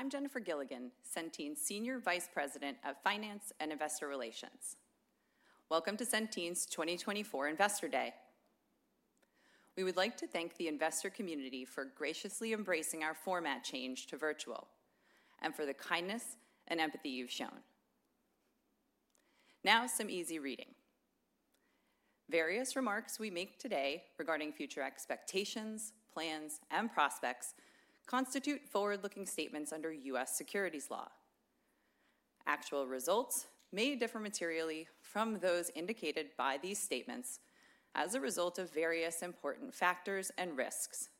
I'm Jennifer Gilligan, Centene's Senior Vice President of Finance and Investor Relations. Welcome to Centene's 2024 Investor Day. We would like to thank the investor community for graciously embracing our format change to virtual and for the kindness and empathy you've shown. Now, some easy reading. Various remarks we make today regarding future expectations, plans, and prospects constitute forward-looking statements under U.S. securities law. Actual results may differ materially from those indicated by these statements as a result of various important factors and risks,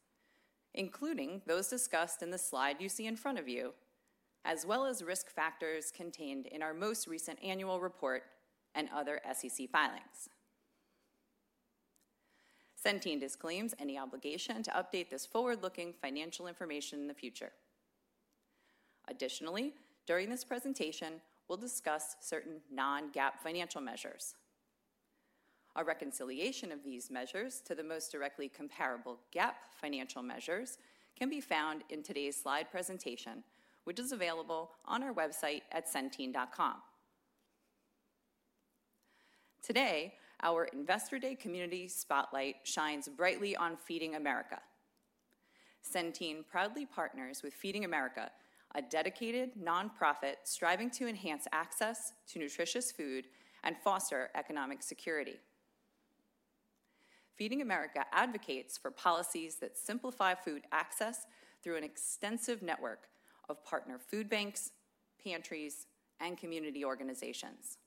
including those discussed in the slide you see in front of you, as well as risk factors contained in our most recent annual report and other SEC filings. Centene disclaims any obligation to update this forward-looking financial information in the future. Additionally, during this presentation, we'll discuss certain non-GAAP financial measures. A reconciliation of these measures to the most directly comparable GAAP financial measures can be found in today's slide presentation, which is available on our website at centene.com. Today, our Investor Day Community Spotlight shines brightly on Feeding America. Centene proudly partners with Feeding America, a dedicated nonprofit striving to enhance access to nutritious food and foster economic security. Feeding America advocates for policies that simplify food access through an extensive network of partner food banks, pantries, and community organizations.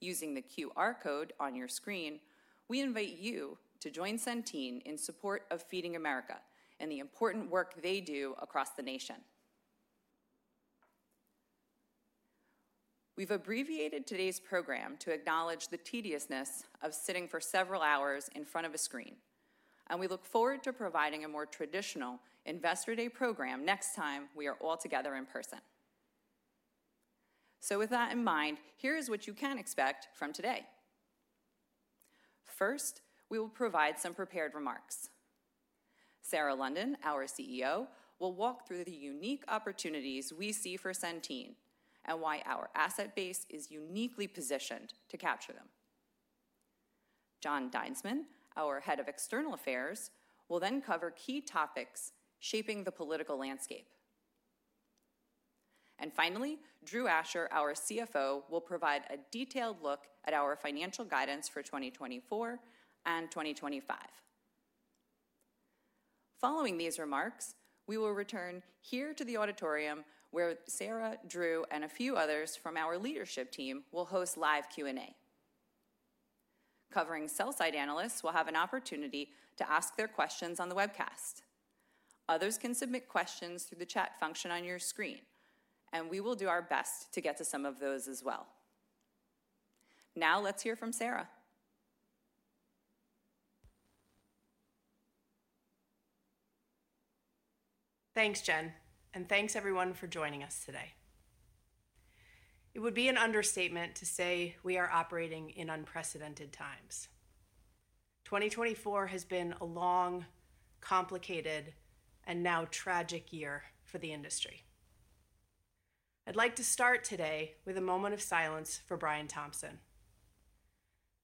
Using the QR code on your screen, we invite you to join Centene in support of Feeding America and the important work they do across the nation. We've abbreviated today's program to acknowledge the tediousness of sitting for several hours in front of a screen, and we look forward to providing a more traditional Investor Day program next time we are all together in person. So, with that in mind, here is what you can expect from today. First, we will provide some prepared remarks. Sarah London, our CEO, will walk through the unique opportunities we see for Centene and why our asset base is uniquely positioned to capture them. Jon Dinesman, our Head of External Affairs, will then cover key topics shaping the political landscape. And finally, Drew Asher, our CFO, will provide a detailed look at our financial guidance for 2024 and 2025. Following these remarks, we will return here to the auditorium where Sarah, Drew, and a few others from our leadership team will host live Q&A. Covering sell-side analysts will have an opportunity to ask their questions on the webcast. Others can submit questions through the chat function on your screen, and we will do our best to get to some of those as well. Now, let's hear from Sarah. Thanks, Jen, and thanks, everyone, for joining us today. It would be an understatement to say we are operating in unprecedented times. 2024 has been a long, complicated, and now tragic year for the industry. I'd like to start today with a moment of silence for Brian Thompson.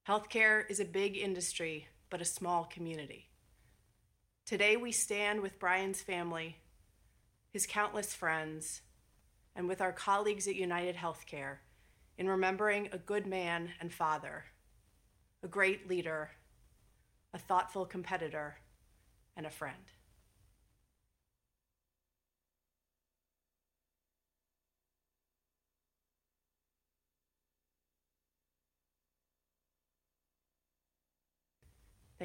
Healthcare is a big industry, but a small community. Today, we stand with Brian's family, his countless friends, and with our colleagues at UnitedHealthcare in remembering a good man and father, a great leader, a thoughtful competitor, and a friend.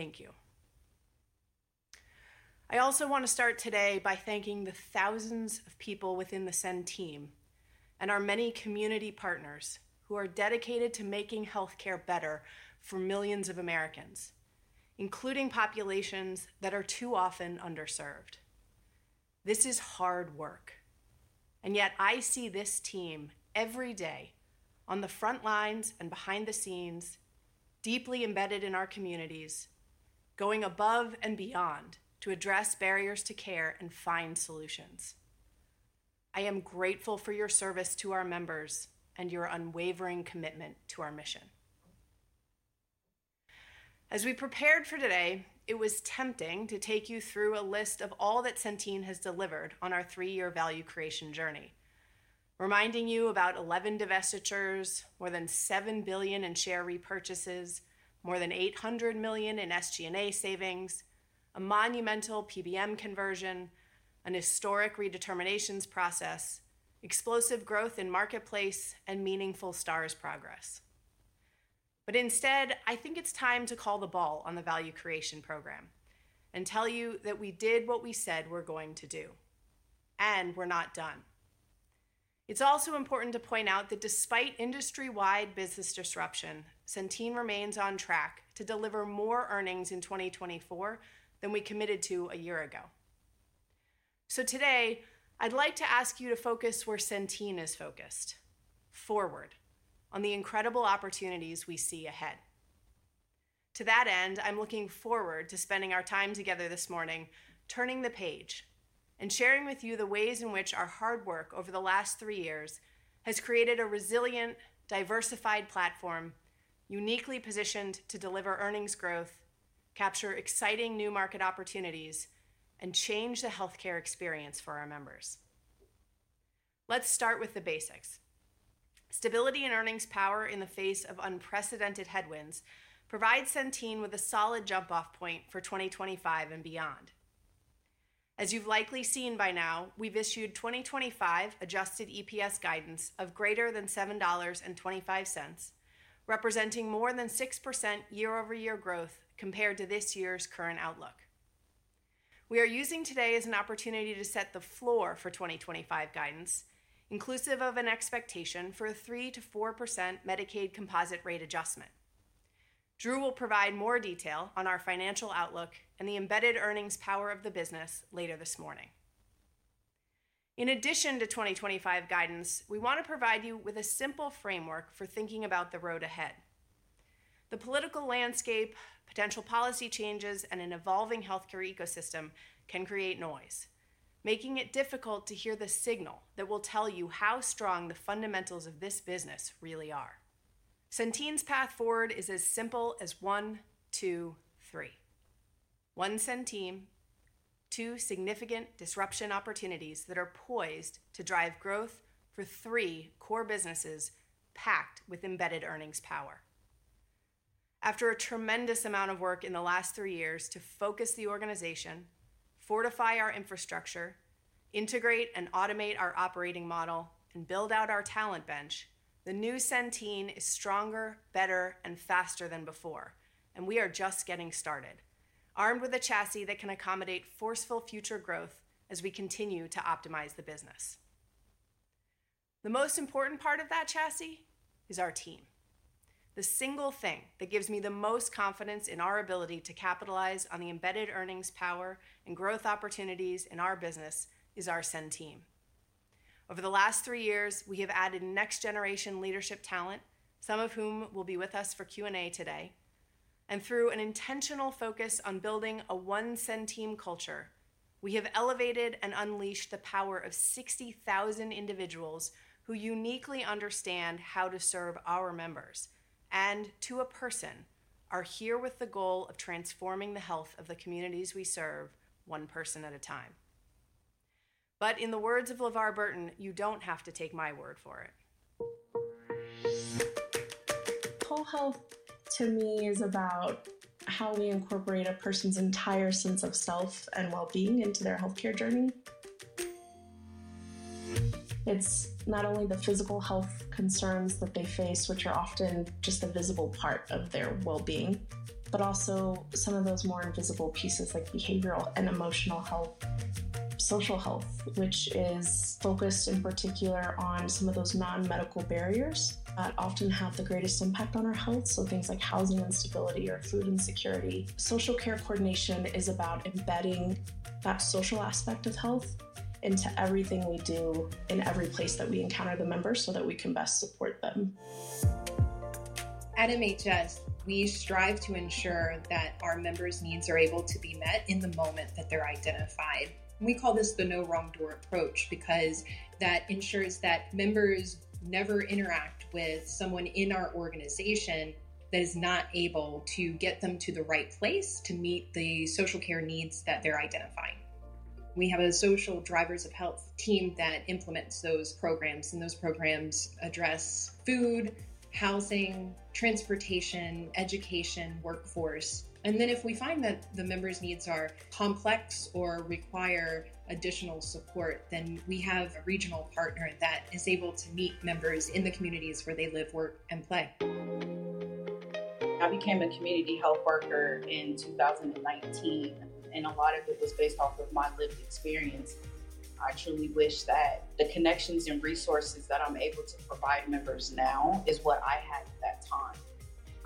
Thank you. I also want to start today by thanking the thousands of people within Centene and our many community partners who are dedicated to making healthcare better for millions of Americans, including populations that are too often underserved. This is hard work, and yet I see this team every day on the front lines and behind the scenes, deeply embedded in our communities, going above and beyond to address barriers to care and find solutions. I am grateful for your service to our members and your unwavering commitment to our mission. As we prepared for today, it was tempting to take you through a list of all that Centene has delivered on our three-year value creation journey, reminding you about 11 divestitures, more than $7 billion in share repurchases, more than $800 million in SG&A savings, a monumental PBM conversion, an historic redeterminations process, explosive growth in Marketplace, and meaningful Stars progress. But instead, I think it's time to call the ball on the value creation program and tell you that we did what we said we're going to do, and we're not done. It's also important to point out that despite industry-wide business disruption, Centene remains on track to deliver more earnings in 2024 than we committed to a year ago. So today, I'd like to ask you to focus where Centene is focused: forward, on the incredible opportunities we see ahead. To that end, I'm looking forward to spending our time together this morning, turning the page and sharing with you the ways in which our hard work over the last three years has created a resilient, diversified platform uniquely positioned to deliver earnings growth, capture exciting new market opportunities, and change the healthcare experience for our members. Let's start with the basics. Stability in earnings power in the face of unprecedented headwinds provides Centene with a solid jump-off point for 2025 and beyond. As you've likely seen by now, we've issued 2025 adjusted EPS guidance of greater than $7.25, representing more than 6% year-over-year growth compared to this year's current outlook. We are using today as an opportunity to set the floor for 2025 guidance, inclusive of an expectation for a 3%-4% Medicaid composite rate adjustment. Drew will provide more detail on our financial outlook and the embedded earnings power of the business later this morning. In addition to 2025 guidance, we want to provide you with a simple framework for thinking about the road ahead. The political landscape, potential policy changes, and an evolving healthcare ecosystem can create noise, making it difficult to hear the signal that will tell you how strong the fundamentals of this business really are. Centene's path forward is as simple as one, two, three. One Centene, two significant disruption opportunities that are poised to drive growth for three core businesses packed with embedded earnings power. After a tremendous amount of work in the last three years to focus the organization, fortify our infrastructure, integrate and automate our operating model, and build out our talent bench, the new Centene is stronger, better, and faster than before, and we are just getting started, armed with a chassis that can accommodate forceful future growth as we continue to optimize the business. The most important part of that chassis is our team. The single thing that gives me the most confidence in our ability to capitalize on the embedded earnings power and growth opportunities in our business is our Centene. Over the last three years, we have added next-generation leadership talent, some of whom will be with us for Q&A today, and through an intentional focus on building a One Centene culture, we have elevated and unleashed the power of 60,000 individuals who uniquely understand how to serve our members, and to a person, are here with the goal of transforming the health of the communities we serve, one person at a time. But in the words of LeVar Burton, you don't have to take my word for it. Whole health, to me, is about how we incorporate a person's entire sense of self and well-being into their healthcare journey. It's not only the physical health concerns that they face, which are often just a visible part of their well-being, but also some of those more invisible pieces like behavioral and emotional health, social health, which is focused in particular on some of those non-medical barriers that often have the greatest impact on our health, so things like housing instability or food insecurity. Social care coordination is about embedding that social aspect of health into everything we do in every place that we encounter the members so that we can best support them. At MHS, we strive to ensure that our members' needs are able to be met in the moment that they're identified. We call this the no-wrong-door approach because that ensures that members never interact with someone in our organization that is not able to get them to the right place to meet the social care needs that they're identifying. We have a social drivers of health team that implements those programs, and those programs address food, housing, transportation, education, and workforce. And then if we find that the members' needs are complex or require additional support, then we have a regional partner that is able to meet members in the communities where they live, work, and play. I became a community health worker in 2019, and a lot of it was based off of my lived experience. I truly wish that the connections and resources that I'm able to provide members now is what I had at that time.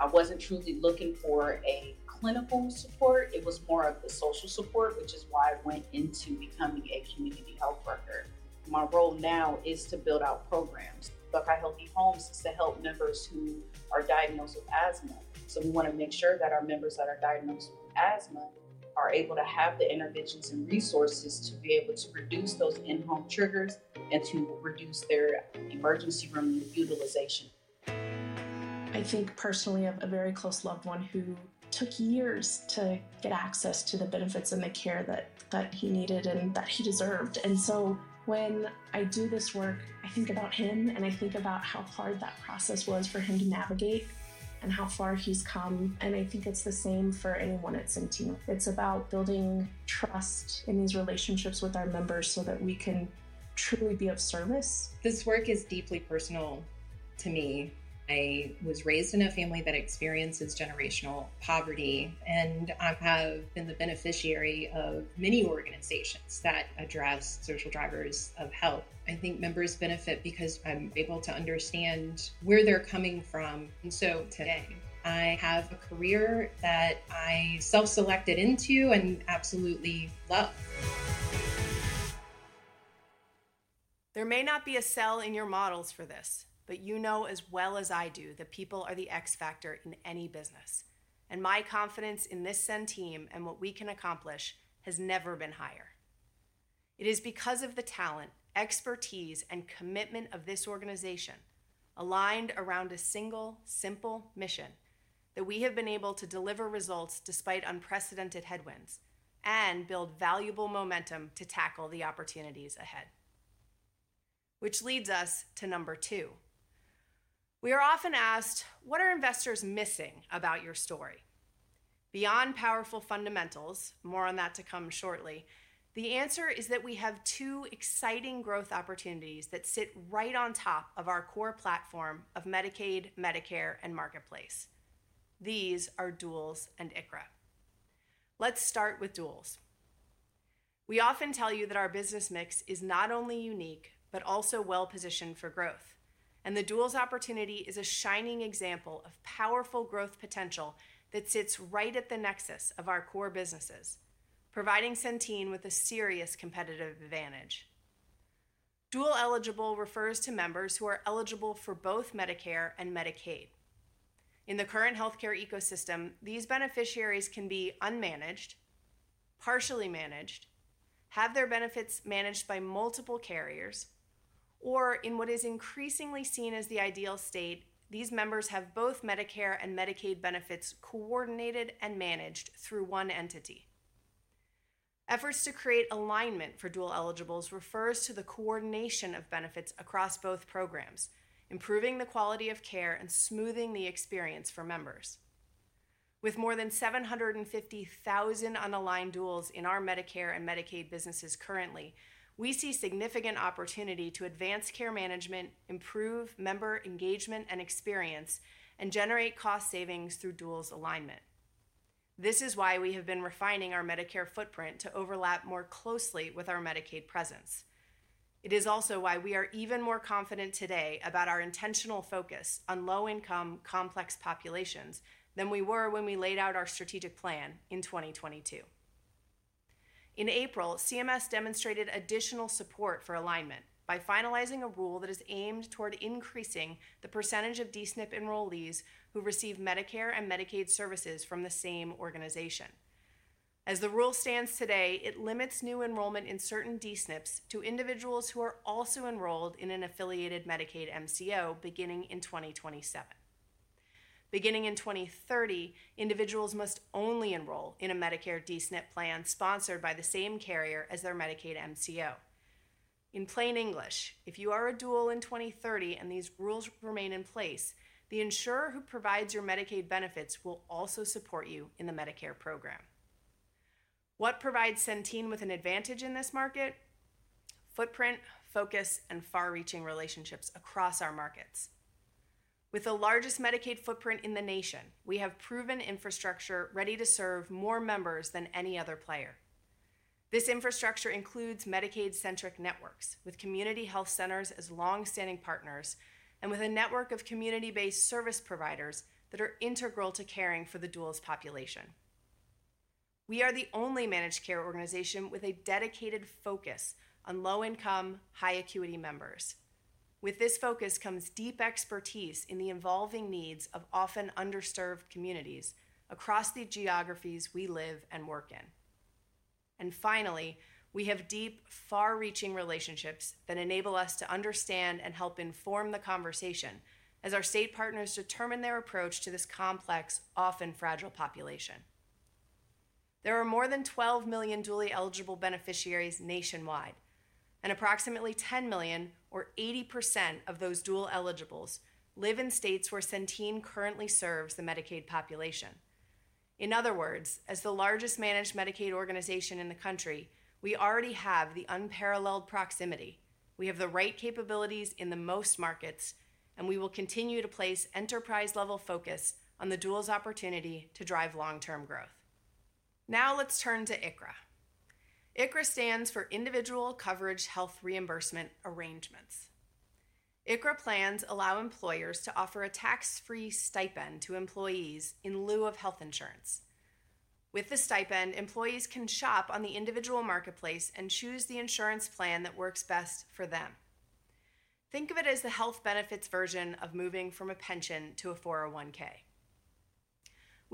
I wasn't truly looking for clinical support. It was more of the social support, which is why I went into becoming a community health worker. My role now is to build out programs. Buckeye Healthy Homes is to help members who are diagnosed with asthma. So we want to make sure that our members that are diagnosed with asthma are able to have the interventions and resources to be able to reduce those in-home triggers and to reduce their emergency room utilization. I think personally of a very close loved one who took years to get access to the benefits and the care that he needed and that he deserved. And so when I do this work, I think about him, and I think about how hard that process was for him to navigate and how far he's come. And I think it's the same for anyone at Centene. It's about building trust in these relationships with our members so that we can truly be of service. This work is deeply personal to me. I was raised in a family that experiences generational poverty, and I have been the beneficiary of many organizations that address social drivers of health. I think members benefit because I'm able to understand where they're coming from, and so today, I have a career that I self-selected into and absolutely love. There may not be a cell in your models for this, but you know as well as I do that people are the X factor in any business, and my confidence in this Centene and what we can accomplish has never been higher. It is because of the talent, expertise, and commitment of this organization aligned around a single, simple mission that we have been able to deliver results despite unprecedented headwinds and build valuable momentum to tackle the opportunities ahead. Which leads us to number two. We are often asked, what are investors missing about your story? Beyond powerful fundamentals, more on that to come shortly, the answer is that we have two exciting growth opportunities that sit right on top of our core platform of Medicaid, Medicare, and Marketplace. These are Duals and ICHRA. Let's start with Duals. We often tell you that our business mix is not only unique, but also well-positioned for growth, and the Duals opportunity is a shining example of powerful growth potential that sits right at the nexus of our core businesses, providing Centene with a serious competitive advantage. Dual eligible refers to members who are eligible for both Medicare and Medicaid. In the current healthcare ecosystem, these beneficiaries can be unmanaged, partially managed, have their benefits managed by multiple carriers, or in what is increasingly seen as the ideal state, these members have both Medicare and Medicaid benefits coordinated and managed through one entity. Efforts to create alignment for Dual eligibles refers to the coordination of benefits across both programs, improving the quality of care and smoothing the experience for members. With more than 750,000 unaligned Duals in our Medicare and Medicaid businesses currently, we see significant opportunity to advance care management, improve member engagement and experience, and generate cost savings through Duals alignment. This is why we have been refining our Medicare footprint to overlap more closely with our Medicaid presence. It is also why we are even more confident today about our intentional focus on low-income complex populations than we were when we laid out our strategic plan in 2022. In April, CMS demonstrated additional support for alignment by finalizing a rule that is aimed toward increasing the percentage of D-SNP enrollees who receive Medicare and Medicaid services from the same organization. As the rule stands today, it limits new enrollment in certain D-SNPs to individuals who are also enrolled in an affiliated Medicaid MCO beginning in 2027. Beginning in 2030, individuals must only enroll in a Medicare D-SNP plan sponsored by the same carrier as their Medicaid MCO. In plain English, if you are a Dual in 2030 and these rules remain in place, the insurer who provides your Medicaid benefits will also support you in the Medicare program. What provides Centene with an advantage in this market? Footprint, focus, and far-reaching relationships across our markets. With the largest Medicaid footprint in the nation, we have proven infrastructure ready to serve more members than any other player. This infrastructure includes Medicaid-centric networks with community health centers as long-standing partners and with a network of community-based service providers that are integral to caring for the Duals population. We are the only managed care organization with a dedicated focus on low-income, high-acuity members. With this focus comes deep expertise in the evolving needs of often underserved communities across the geographies we live and work in. And finally, we have deep, far-reaching relationships that enable us to understand and help inform the conversation as our state partners determine their approach to this complex, often fragile population. There are more than 12 million dually eligible beneficiaries nationwide, and approximately 10 million, or 80% of those Dual eligibles, live in states where Centene currently serves the Medicaid population. In other words, as the largest managed Medicaid organization in the country, we already have the unparalleled proximity. We have the right capabilities in the most markets, and we will continue to place enterprise-level focus on the Duals opportunity to drive long-term growth. Now let's turn to ICHRA. ICHRA stands for Individual Coverage Health Reimbursement Arrangements. ICHRA plans allow employers to offer a tax-free stipend to employees in lieu of health insurance. With the stipend, employees can shop on the individual marketplace and choose the insurance plan that works best for them. Think of it as the health benefits version of moving from a pension to a 401(k).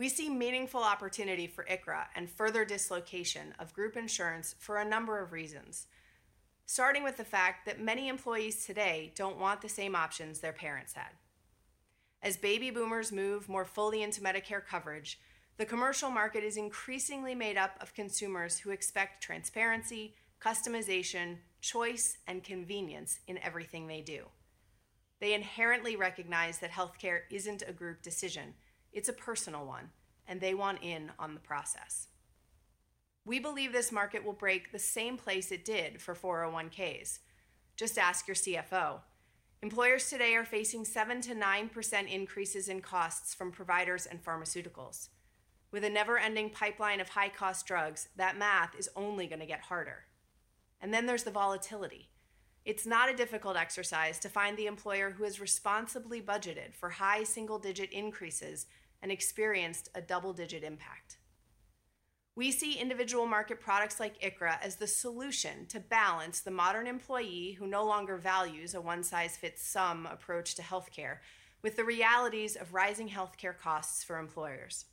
We see meaningful opportunity for ICHRA and further dislocation of group insurance for a number of reasons, starting with the fact that many employees today don't want the same options their parents had. As baby boomers move more fully into Medicare coverage, the commercial market is increasingly made up of consumers who expect transparency, customization, choice, and convenience in everything they do. They inherently recognize that healthcare isn't a group decision. It's a personal one, and they want in on the process. We believe this market will break the same place it did for 401(k)s. Just ask your CFO. Employers today are facing 7%-9% increases in costs from providers and pharmaceuticals. With a never-ending pipeline of high-cost drugs, that math is only going to get harder. And then there's the volatility. It's not a difficult exercise to find the employer who has responsibly budgeted for high single-digit increases and experienced a double-digit impact. We see individual market products like ICHRA as the solution to balance the modern employee who no longer values a one-size-fits-some approach to healthcare with the realities of rising healthcare costs for employers.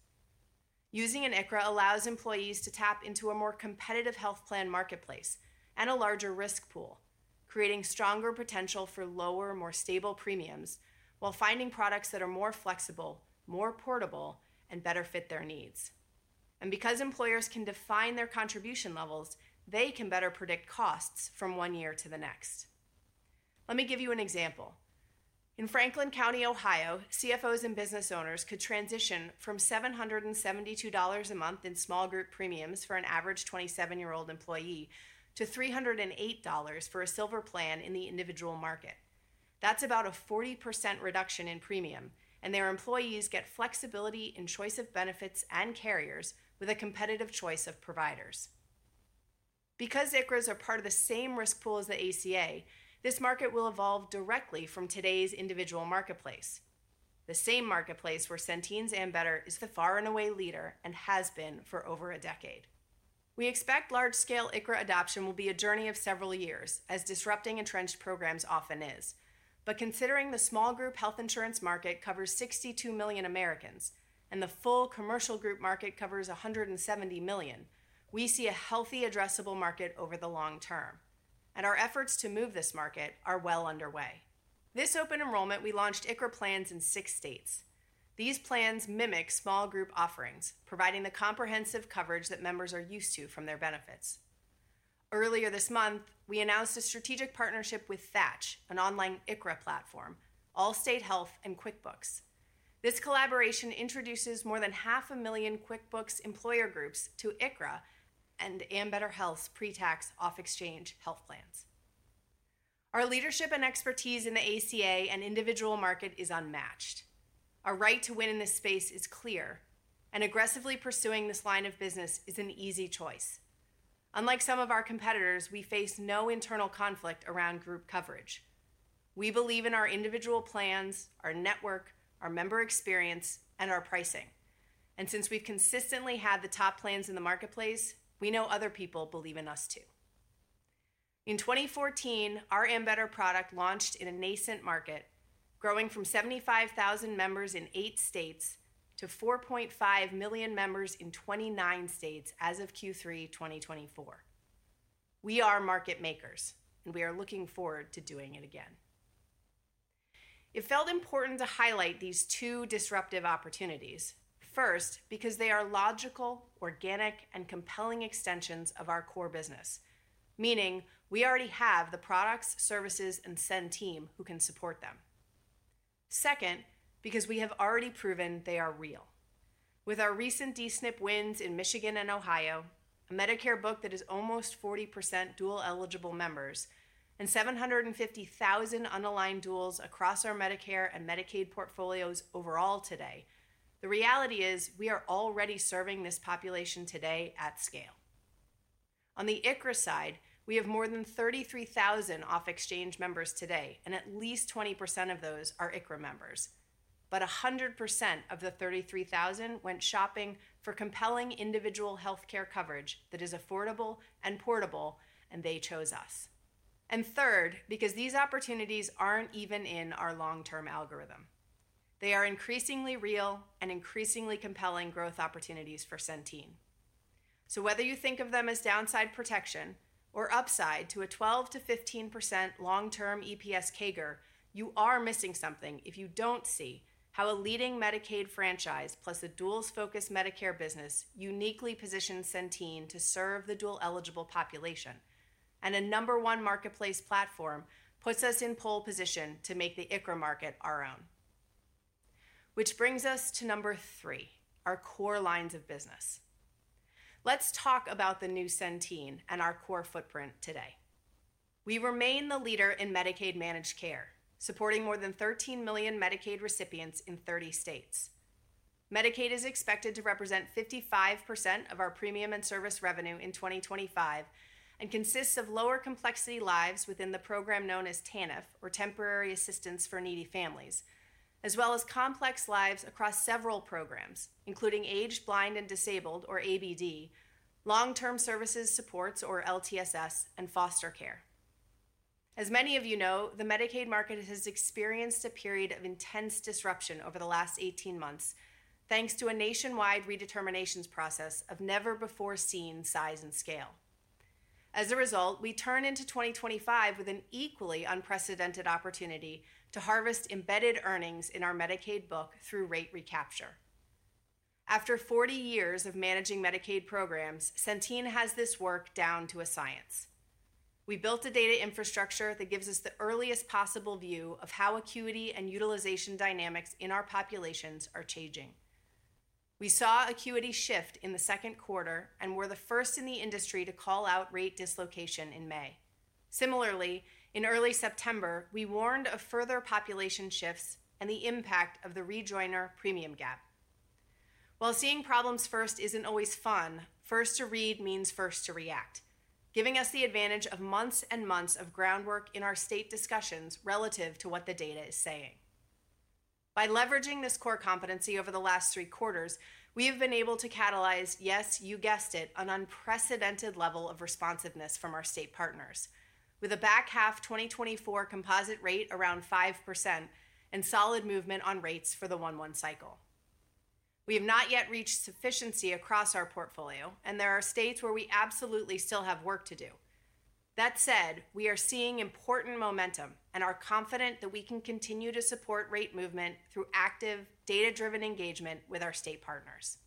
Using an ICHRA allows employees to tap into a more competitive health plan marketplace and a larger risk pool, creating stronger potential for lower, more stable premiums while finding products that are more flexible, more portable, and better fit their needs. And because employers can define their contribution levels, they can better predict costs from one year to the next. Let me give you an example. In Franklin County, Ohio, CFOs and business owners could transition from $772 a month in small group premiums for an average 27-year-old employee to $308 for a silver plan in the individual market. That's about a 40% reduction in premium, and their employees get flexibility in choice of benefits and carriers with a competitive choice of providers. Because ICHRAs are part of the same risk pool as the ACA, this market will evolve directly from today's individual marketplace. The same marketplace where Centene's Ambetter is the far and away leader and has been for over a decade. We expect large-scale ICHRA adoption will be a journey of several years, as disrupting entrenched programs often is. Considering the small group health insurance market covers 62 million Americans and the full commercial group market covers 170 million, we see a healthy, addressable market over the long term. Our efforts to move this market are well underway. This open enrollment, we launched ICHRA plans in six states. These plans mimic small group offerings, providing the comprehensive coverage that members are used to from their benefits. Earlier this month, we announced a strategic partnership with Thatch, an online ICHRA platform, Allstate Health, and QuickBooks. This collaboration introduces more than 500,000 QuickBooks employer groups to ICHRA and Ambetter Health's pre-tax, off-exchange health plans. Our leadership and expertise in the ACA and individual market is unmatched. Our right to win in this space is clear, and aggressively pursuing this line of business is an easy choice. Unlike some of our competitors, we face no internal conflict around group coverage. We believe in our individual plans, our network, our member experience, and our pricing, and since we've consistently had the top plans in the marketplace, we know other people believe in us too. In 2014, our Ambetter product launched in a nascent market, growing from 75,000 members in eight states to 4.5 million members in 29 states as of Q3 2024. We are market makers, and we are looking forward to doing it again. It felt important to highlight these two disruptive opportunities. First, because they are logical, organic, and compelling extensions of our core business, meaning we already have the products, services, and CenTeam who can support them. Second, because we have already proven they are real. With our recent D-SNP wins in Michigan and Ohio, a Medicare book that is almost 40% Dual eligible members, and 750,000 unaligned duals across our Medicare and Medicaid portfolios overall today, the reality is we are already serving this population today at scale. On the ICHRA side, we have more than 33,000 off-exchange members today, and at least 20% of those are ICHRA members. But 100% of the 33,000 went shopping for compelling individual healthcare coverage that is affordable and portable, and they chose us. And third, because these opportunities aren't even in our long-term algorithm. They are increasingly real and increasingly compelling growth opportunities for Centene. So whether you think of them as downside protection or upside to a 12%-15% long-term EPS CAGR, you are missing something if you don't see how a leading Medicaid franchise plus a Duals-focused Medicare business uniquely positions Centene to serve the Dual eligible population. And a number one Marketplace platform puts us in pole position to make the ICHRA market our own. Which brings us to number three, our core lines of business. Let's talk about the new Centene and our core footprint today. We remain the leader in Medicaid managed care, supporting more than 13 million Medicaid recipients in 30 states. Medicaid is expected to represent 55% of our premium and service revenue in 2025 and consists of lower complexity lives within the program known as TANF, or Temporary Assistance for Needy Families, as well as complex lives across several programs, including Aged, Blind, and Disabled (ABD), Long-Term Services and Supports (LTSS), and Foster Care. As many of you know, the Medicaid market has experienced a period of intense disruption over the last 18 months, thanks to a nationwide redeterminations process of never-before-seen size and scale. As a result, we turn into 2025 with an equally unprecedented opportunity to harvest embedded earnings in our Medicaid book through rate recapture. After 40 years of managing Medicaid programs, Centene has this work down to a science. We built a data infrastructure that gives us the earliest possible view of how acuity and utilization dynamics in our populations are changing. We saw acuity shift in the second quarter and were the first in the industry to call out rate dislocation in May. Similarly, in early September, we warned of further population shifts and the impact of the rejoiner premium gap. While seeing problems first isn't always fun, first to read means first to react, giving us the advantage of months and months of groundwork in our state discussions relative to what the data is saying. By leveraging this core competency over the last three quarters, we have been able to catalyze, yes, you guessed it, an unprecedented level of responsiveness from our state partners, with a back-half 2024 composite rate around 5% and solid movement on rates for the one-month cycle. We have not yet reached sufficiency across our portfolio, and there are states where we absolutely still have work to do. That said, we are seeing important momentum and are confident that we can continue to support rate movement through active, data-driven engagement with our state partners.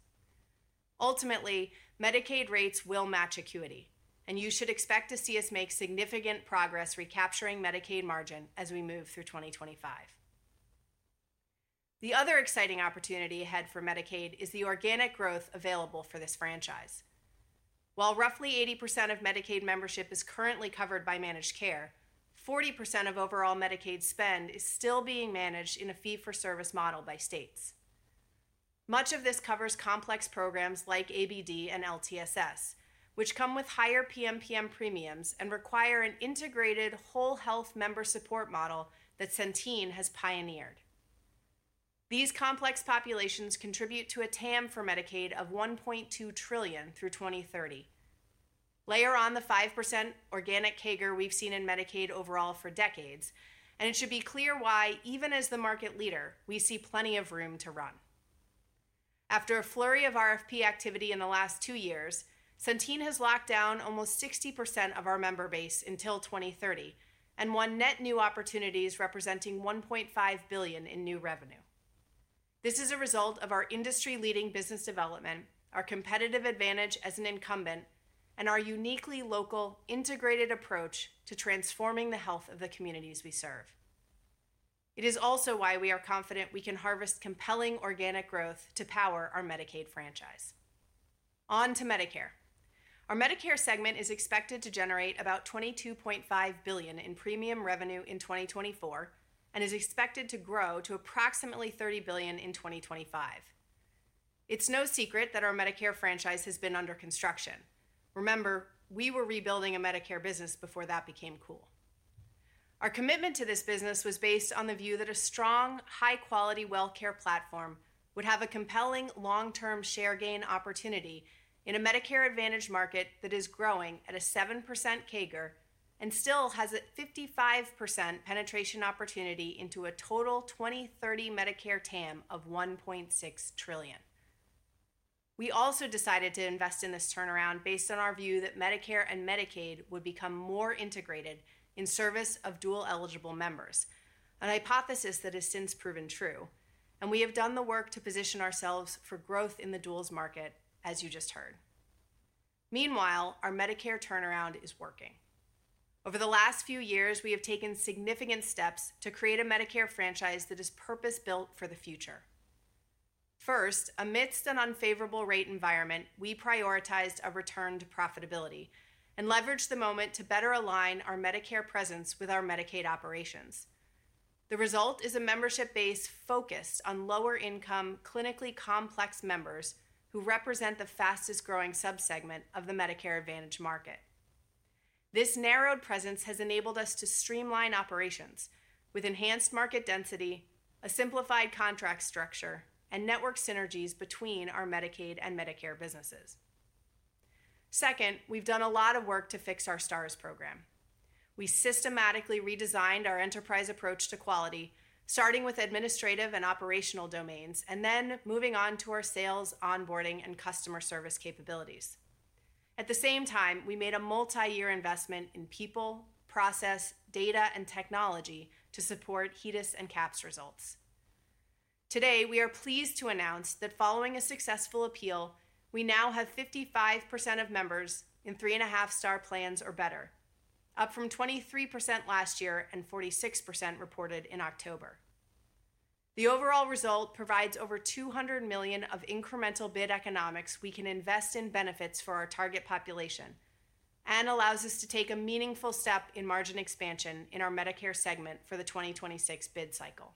Ultimately, Medicaid rates will match acuity, and you should expect to see us make significant progress recapturing Medicaid margin as we move through 2025. The other exciting opportunity ahead for Medicaid is the organic growth available for this franchise. While roughly 80% of Medicaid membership is currently covered by managed care, 40% of overall Medicaid spend is still being managed in a fee-for-service model by states. Much of this covers complex programs like ABD and LTSS, which come with higher PMPM premiums and require an integrated whole health member support model that Centene has pioneered. These complex populations contribute to a TAM for Medicaid of 1.2 trillion through 2030. Layer on the 5% organic CAGR we've seen in Medicaid overall for decades, and it should be clear why, even as the market leader, we see plenty of room to run. After a flurry of RFP activity in the last two years, Centene has locked down almost 60% of our member base until 2030 and won net new opportunities representing $1.5 billion in new revenue. This is a result of our industry-leading business development, our competitive advantage as an incumbent, and our uniquely local, integrated approach to transforming the health of the communities we serve. It is also why we are confident we can harvest compelling organic growth to power our Medicaid franchise. On to Medicare. Our Medicare segment is expected to generate about $22.5 billion in premium revenue in 2024 and is expected to grow to approximately $30 billion in 2025. It's no secret that our Medicare franchise has been under construction. Remember, we were rebuilding a Medicare business before that became cool. Our commitment to this business was based on the view that a strong, high-quality WellCare platform would have a compelling long-term share gain opportunity in a Medicare Advantage market that is growing at a 7% CAGR and still has a 55% penetration opportunity into a total 2030 Medicare TAM of $1.6 trillion. We also decided to invest in this turnaround based on our view that Medicare and Medicaid would become more integrated in service of Dual eligible members, a hypothesis that has since proven true, and we have done the work to position ourselves for growth in the Duals market, as you just heard. Meanwhile, our Medicare turnaround is working. Over the last few years, we have taken significant steps to create a Medicare franchise that is purpose-built for the future. First, amidst an unfavorable rate environment, we prioritized a return to profitability and leveraged the moment to better align our Medicare presence with our Medicaid operations. The result is a membership base focused on lower-income, clinically complex members who represent the fastest-growing subsegment of the Medicare Advantage market. This narrowed presence has enabled us to streamline operations with enhanced market density, a simplified contract structure, and network synergies between our Medicaid and Medicare businesses. Second, we've done a lot of work to fix our Stars program. We systematically redesigned our enterprise approach to quality, starting with administrative and operational domains and then moving on to our sales, onboarding, and customer service capabilities. At the same time, we made a multi-year investment in people, process, data, and technology to support HEDIS and CAHPS results. Today, we are pleased to announce that following a successful appeal, we now have 55% of members in 3.5 Star plans or better, up from 23% last year and 46% reported in October. The overall result provides over $200 million of incremental bid economics we can invest in benefits for our target population and allows us to take a meaningful step in margin expansion in our Medicare segment for the 2026 bid cycle.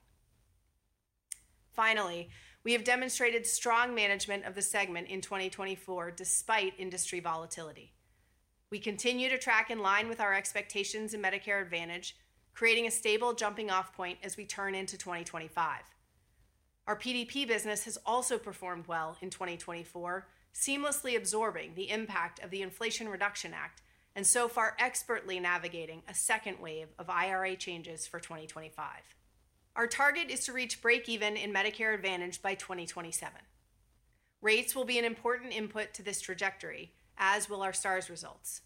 Finally, we have demonstrated strong management of the segment in 2024 despite industry volatility. We continue to track in line with our expectations in Medicare Advantage, creating a stable jumping-off point as we turn into 2025. Our PDP business has also performed well in 2024, seamlessly absorbing the impact of the Inflation Reduction Act and so far expertly navigating a second wave of IRA changes for 2025. Our target is to reach break-even in Medicare Advantage by 2027. Rates will be an important input to this trajectory, as will our STARS results.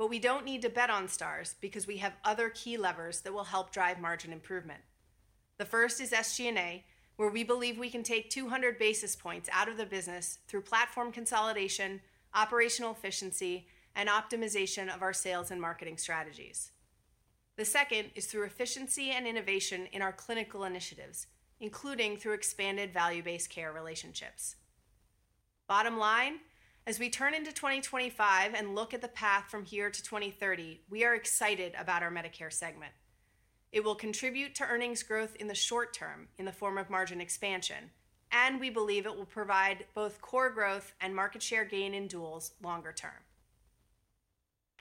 But we don't need to bet on Stars because we have other key levers that will help drive margin improvement. The first is SG&A, where we believe we can take 200 basis points out of the business through platform consolidation, operational efficiency, and optimization of our sales and marketing strategies. The second is through efficiency and innovation in our clinical initiatives, including through expanded value-based care relationships. Bottom line, as we turn into 2025 and look at the path from here to 2030, we are excited about our Medicare segment. It will contribute to earnings growth in the short term in the form of margin expansion, and we believe it will provide both core growth and market share gain in duals longer term.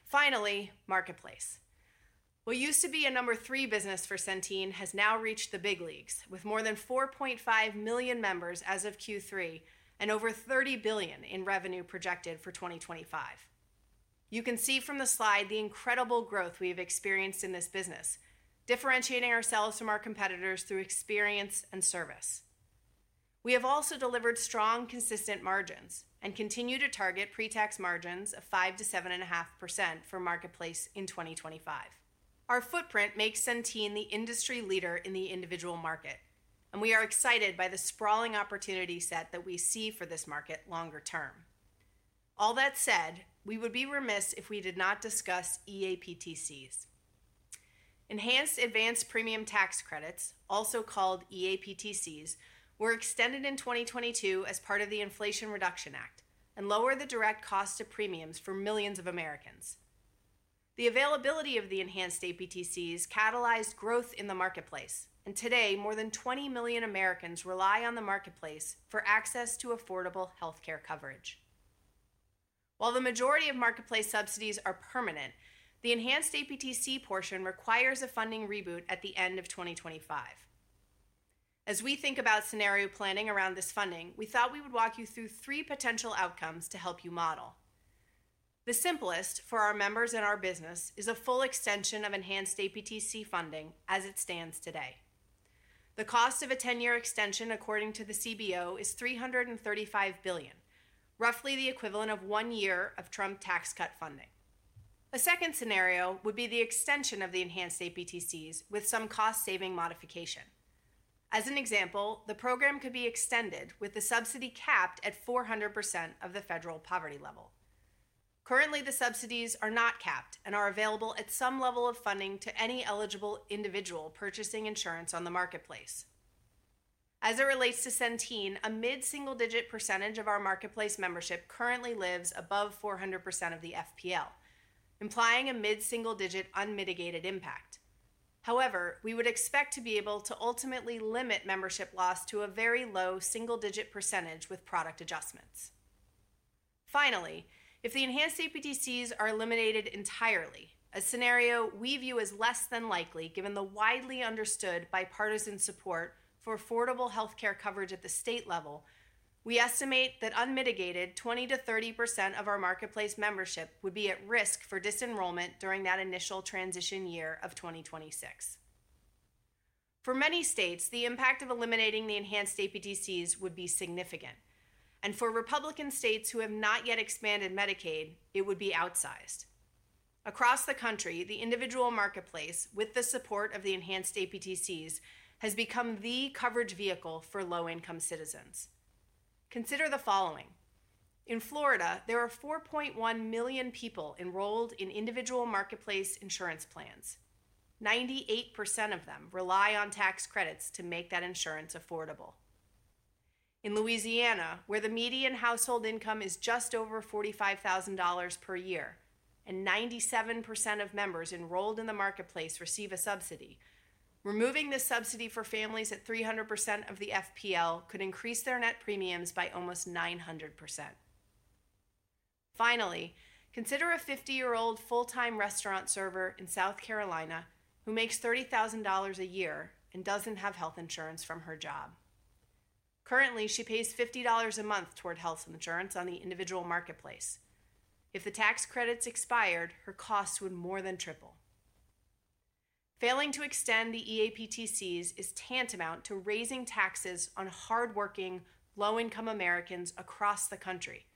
Finally, Marketplace. What used to be a number three business for Centene has now reached the big leagues with more than 4.5 million members as of Q3 and over $30 billion in revenue projected for 2025. You can see from the slide the incredible growth we have experienced in this business, differentiating ourselves from our competitors through experience and service. We have also delivered strong, consistent margins and continue to target pre-tax margins of 5%-7.5% for Marketplace in 2025. Our footprint makes Centene the industry leader in the individual market, and we are excited by the sprawling opportunity set that we see for this market longer term. All that said, we would be remiss if we did not discuss eAPTCs. enhanced Advanced Premium Tax Credits, also called eAPTCs, were extended in 2022 as part of the Inflation Reduction Act and lowered the direct cost of premiums for millions of Americans. The availability of the enhanced eAPTCs catalyzed growth in the Marketplace, and today, more than 20 million Americans rely on the Marketplace for access to affordable healthcare coverage. While the majority of Marketplace subsidies are permanent, the enhanced eAPTC portion requires a funding reboot at the end of 2025. As we think about scenario planning around this funding, we thought we would walk you through three potential outcomes to help you model. The simplest for our members and our business is a full extension of enhanced eAPTC funding as it stands today. The cost of a 10-year extension, according to the CBO, is $335 billion, roughly the equivalent of one year of Trump tax cut funding. A second scenario would be the extension of the enhanced eAPTCs with some cost-saving modification. As an example, the program could be extended with the subsidy capped at 400% of the federal poverty level. Currently, the subsidies are not capped and are available at some level of funding to any eligible individual purchasing insurance on the Marketplace. As it relates to Centene, a mid-single-digit percentage of our Marketplace membership currently lives above 400% of the FPL, implying a mid-single-digit unmitigated impact. However, we would expect to be able to ultimately limit membership loss to a very low single-digit percentage with product adjustments. Finally, if the enhanced eAPTCs are eliminated entirely, a scenario we view as less than likely given the widely understood bipartisan support for affordable healthcare coverage at the state level, we estimate that unmitigated 20%-30% of our Marketplace membership would be at risk for disenrollment during that initial transition year of 2026. For many states, the impact of eliminating the enhanced eAPTCs would be significant, and for Republican states who have not yet expanded Medicaid, it would be outsized. Across the country, the individual Marketplace, with the support of the enhanced eAPTCs, has become the coverage vehicle for low-income citizens. Consider the following. In Florida, there are 4.1 million people enrolled in individual Marketplace insurance plans. 98% of them rely on tax credits to make that insurance affordable. In Louisiana, where the median household income is just over $45,000 per year and 97% of members enrolled in the Marketplace receive a subsidy, removing the subsidy for families at 300% of the FPL could increase their net premiums by almost 900%. Finally, consider a 50-year-old full-time restaurant server in South Carolina who makes $30,000 a year and doesn't have health insurance from her job. Currently, she pays $50 a month toward health insurance on the individual Marketplace. If the tax credits expired, her costs would more than triple. Failing to extend the eAPTCs is tantamount to raising taxes on hardworking, low-income Americans across the country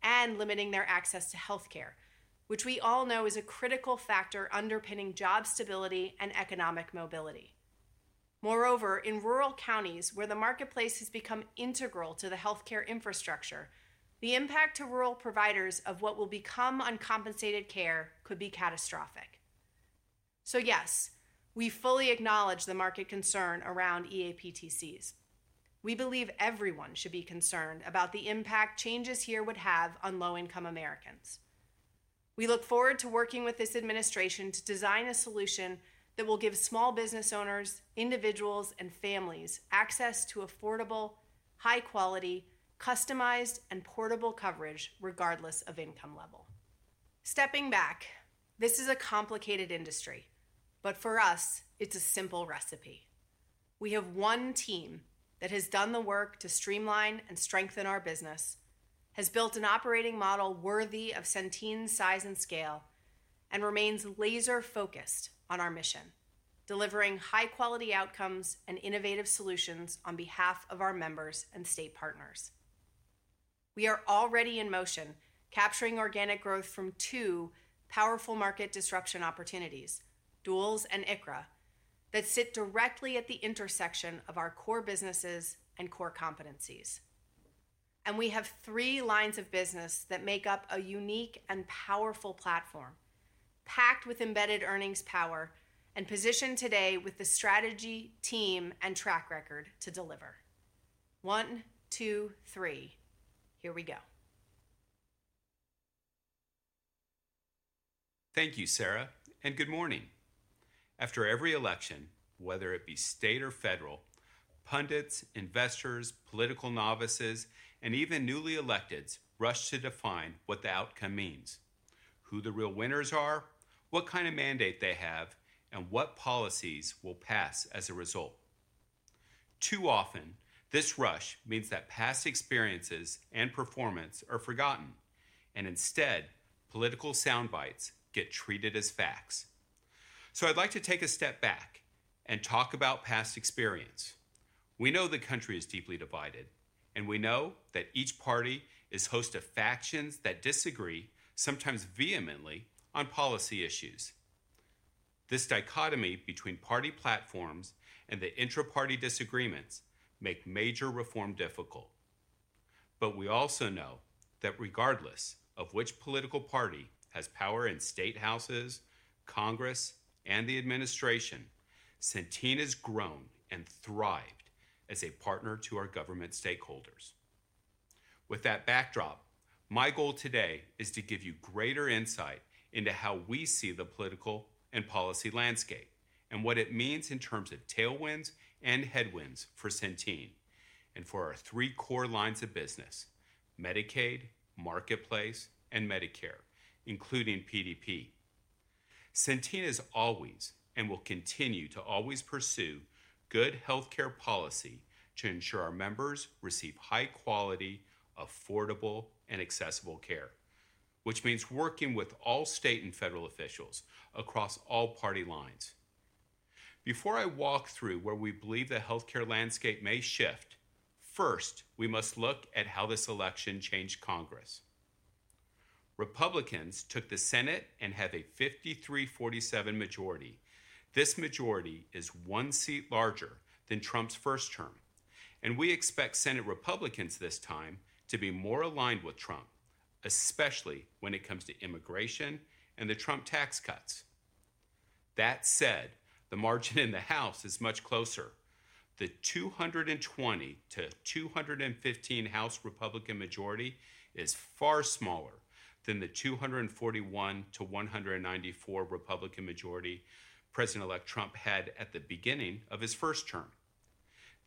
and limiting their access to healthcare, which we all know is a critical factor underpinning job stability and economic mobility. Moreover, in rural counties where the Marketplace has become integral to the healthcare infrastructure, the impact to rural providers of what will become uncompensated care could be catastrophic. So yes, we fully acknowledge the market concern around eAPTCs. We believe everyone should be concerned about the impact changes here would have on low-income Americans. We look forward to working with this administration to design a solution that will give small business owners, individuals, and families access to affordable, high-quality, customized, and portable coverage regardless of income level. Stepping back, this is a complicated industry, but for us, it's a simple recipe. We have one team that has done the work to streamline and strengthen our business, has built an operating model worthy of Centene's size and scale, and remains laser-focused on our mission, delivering high-quality outcomes and innovative solutions on behalf of our members and state partners. We are already in motion capturing organic growth from two powerful market disruption opportunities, Duals and ICHRA, that sit directly at the intersection of our core businesses and core competencies. And we have three lines of business that make up a unique and powerful platform packed with embedded earnings power and positioned today with the strategy, team, and track record to deliver. One, two, three. Here we go. Thank you, Sarah, and good morning. After every election, whether it be state or federal, pundits, investors, political novices, and even newly electeds rush to define what the outcome means, who the real winners are, what kind of mandate they have, and what policies will pass as a result. Too often, this rush means that past experiences and performance are forgotten, and instead, political soundbites get treated as facts. So I'd like to take a step back and talk about past experience. We know the country is deeply divided, and we know that each party is host of factions that disagree, sometimes vehemently, on policy issues. This dichotomy between party platforms and the intra-party disagreements make major reform difficult. But we also know that regardless of which political party has power in statehouses, Congress, and the administration, Centene has grown and thrived as a partner to our government stakeholders. With that backdrop, my goal today is to give you greater insight into how we see the political and policy landscape and what it means in terms of tailwinds and headwinds for Centene and for our three core lines of business: Medicaid, Marketplace, and Medicare, including PDP. Centene has always and will continue to always pursue good healthcare policy to ensure our members receive high-quality, affordable, and accessible care, which means working with all state and federal officials across all party lines. Before I walk through where we believe the healthcare landscape may shift, first, we must look at how this election changed Congress. Republicans took the Senate and have a 53-47 majority. This majority is one seat larger than Trump's first term, and we expect Senate Republicans this time to be more aligned with Trump, especially when it comes to immigration and the Trump tax cuts. That said, the margin in the House is much closer. The 220-215 House Republican majority is far smaller than the 241-194 Republican majority President-elect Trump had at the beginning of his first term.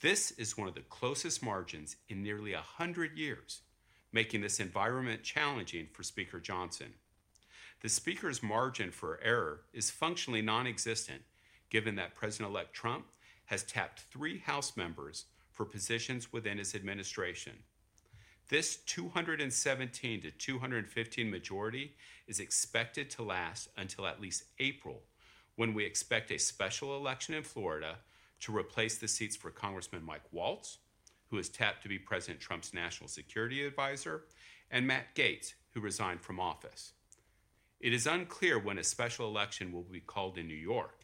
This is one of the closest margins in nearly 100 years, making this environment challenging for Speaker Johnson. The Speaker's margin for error is functionally nonexistent, given that President-elect Trump has tapped three House members for positions within his administration. This 217-215 majority is expected to last until at least April, when we expect a special election in Florida to replace the seats for Congressman Mike Waltz, who is tapped to be President Trump's national security advisor, and Matt Gaetz, who resigned from office. It is unclear when a special election will be called in New York,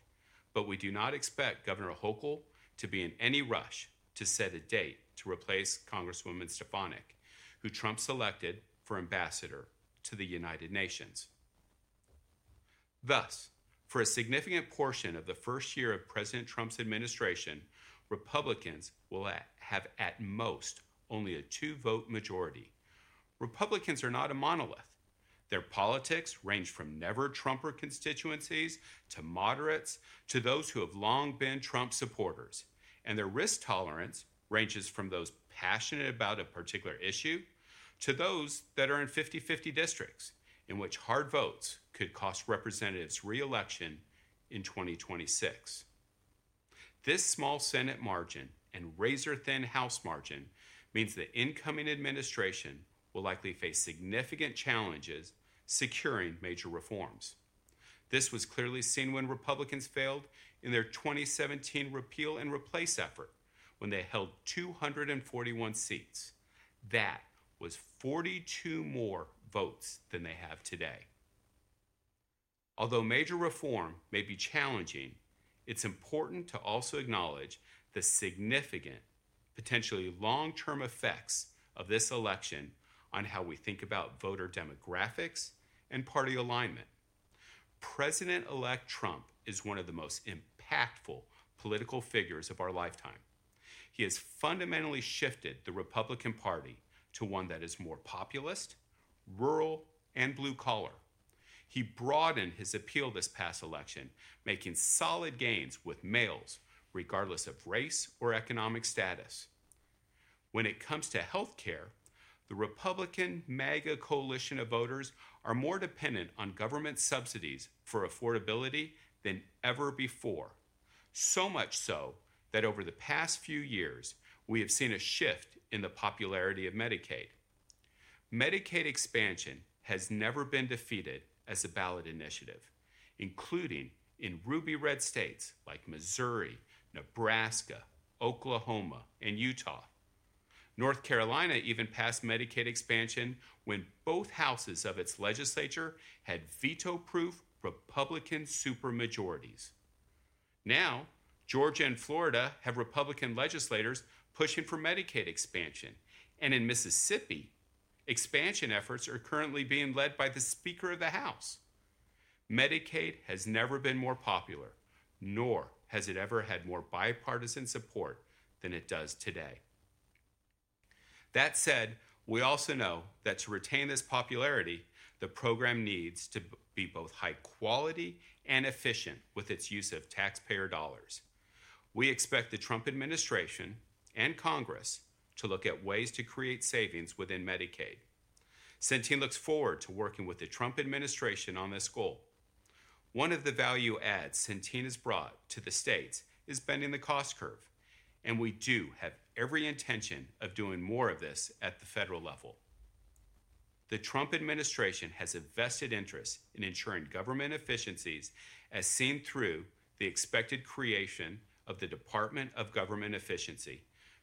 but we do not expect Governor Hochul to be in any rush to set a date to replace Congresswoman Stefanik, who Trump selected for ambassador to the United Nations. Thus, for a significant portion of the first year of President Trump's administration, Republicans will have at most only a two-vote majority. Republicans are not a monolith. Their politics range from never-Trumper constituencies to moderates to those who have long been Trump supporters, and their risk tolerance ranges from those passionate about a particular issue to those that are in 50-50 districts in which hard votes could cost representatives reelection in 2026. This small Senate margin and razor-thin House margin means the incoming administration will likely face significant challenges securing major reforms. This was clearly seen when Republicans failed in their 2017 repeal and replace effort when they held 241 seats. That was 42 more votes than they have today. Although major reform may be challenging, it's important to also acknowledge the significant, potentially long-term effects of this election on how we think about voter demographics and party alignment. President-elect Trump is one of the most impactful political figures of our lifetime. He has fundamentally shifted the Republican Party to one that is more populist, rural, and blue-collar. He broadened his appeal this past election, making solid gains with males regardless of race or economic status. When it comes to healthcare, the Republican MAGA coalition of voters are more dependent on government subsidies for affordability than ever before, so much so that over the past few years, we have seen a shift in the popularity of Medicaid. Medicaid expansion has never been defeated as a ballot initiative, including in ruby-red states like Missouri, Nebraska, Oklahoma, and Utah. North Carolina even passed Medicaid expansion when both houses of its legislature had veto-proof Republican supermajorities. Now, Georgia and Florida have Republican legislators pushing for Medicaid expansion, and in Mississippi, expansion efforts are currently being led by the Speaker of the House. Medicaid has never been more popular, nor has it ever had more bipartisan support than it does today. That said, we also know that to retain this popularity, the program needs to be both high-quality and efficient with its use of taxpayer dollars. We expect the Trump administration and Congress to look at ways to create savings within Medicaid. Centene looks forward to working with the Trump administration on this goal. One of the value-adds Centene has brought to the states is bending the cost curve, and we do have every intention of doing more of this at the federal level. The Trump administration has a vested interest in ensuring government efficiencies, as seen through the expected creation of the Department of Government Efficiency,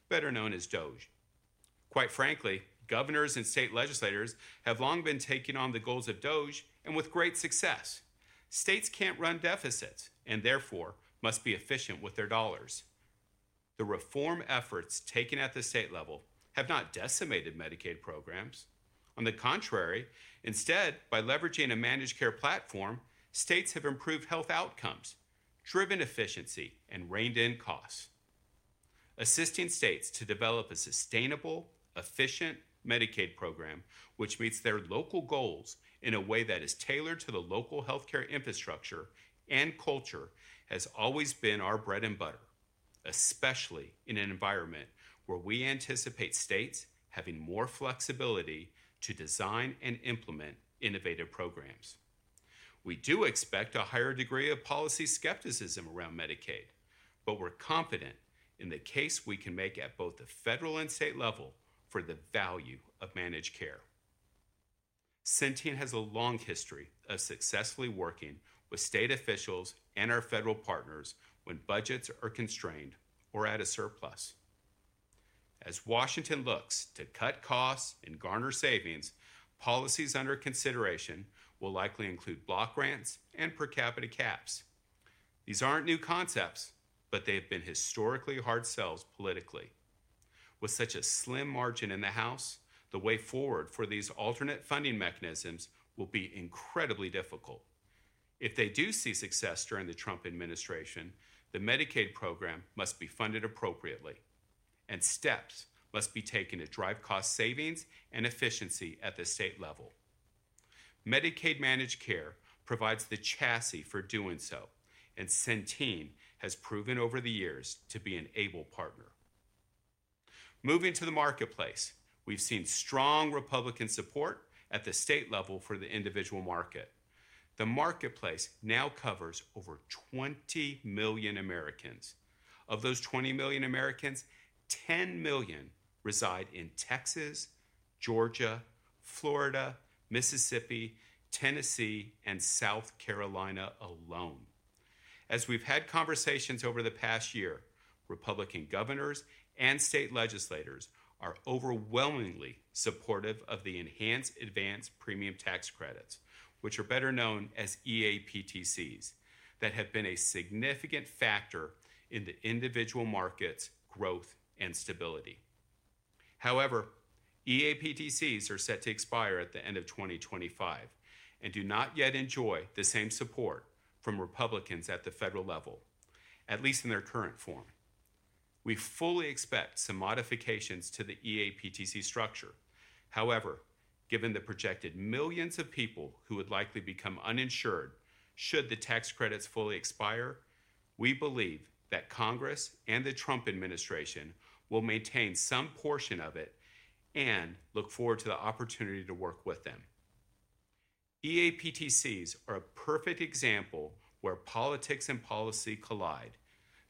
better known as DOGE. Quite frankly, governors and state legislators have long been taking on the goals of DOGE and with great success. States can't run deficits and therefore must be efficient with their dollars. The reform efforts taken at the state level have not decimated Medicaid programs. On the contrary, instead, by leveraging a managed care platform, states have improved health outcomes, driven efficiency, and reined in costs, assisting states to develop a sustainable, efficient Medicaid program which meets their local goals in a way that is tailored to the local healthcare infrastructure and culture, has always been our bread and butter, especially in an environment where we anticipate states having more flexibility to design and implement innovative programs. We do expect a higher degree of policy skepticism around Medicaid, but we're confident in the case we can make at both the federal and state level for the value of managed care. Centene has a long history of successfully working with state officials and our federal partners when budgets are constrained or at a surplus. As Washington looks to cut costs and garner savings, policies under consideration will likely include block grants and per capita caps. These aren't new concepts, but they have been historically hard sells politically. With such a slim margin in the House, the way forward for these alternate funding mechanisms will be incredibly difficult. If they do see success during the Trump administration, the Medicaid program must be funded appropriately, and steps must be taken to drive cost savings and efficiency at the state level. Medicaid managed care provides the chassis for doing so, and Centene has proven over the years to be an able partner. Moving to the Marketplace, we've seen strong Republican support at the state level for the individual market. The Marketplace now covers over 20 million Americans. Of those 20 million Americans, 10 million reside in Texas, Georgia, Florida, Mississippi, Tennessee, and South Carolina alone. As we've had conversations over the past year, Republican governors and state legislators are overwhelmingly supportive of the enhanced Advanced Premium Tax Credits, which are better known as eAPTCs, that have been a significant factor in the individual market's growth and stability. However, eAPTCs are set to expire at the end of 2025 and do not yet enjoy the same support from Republicans at the federal level, at least in their current form. We fully expect some modifications to the eAPTC structure. However, given the projected millions of people who would likely become uninsured should the tax credits fully expire, we believe that Congress and the Trump administration will maintain some portion of it and look forward to the opportunity to work with them. eAPTCs are a perfect example where politics and policy collide.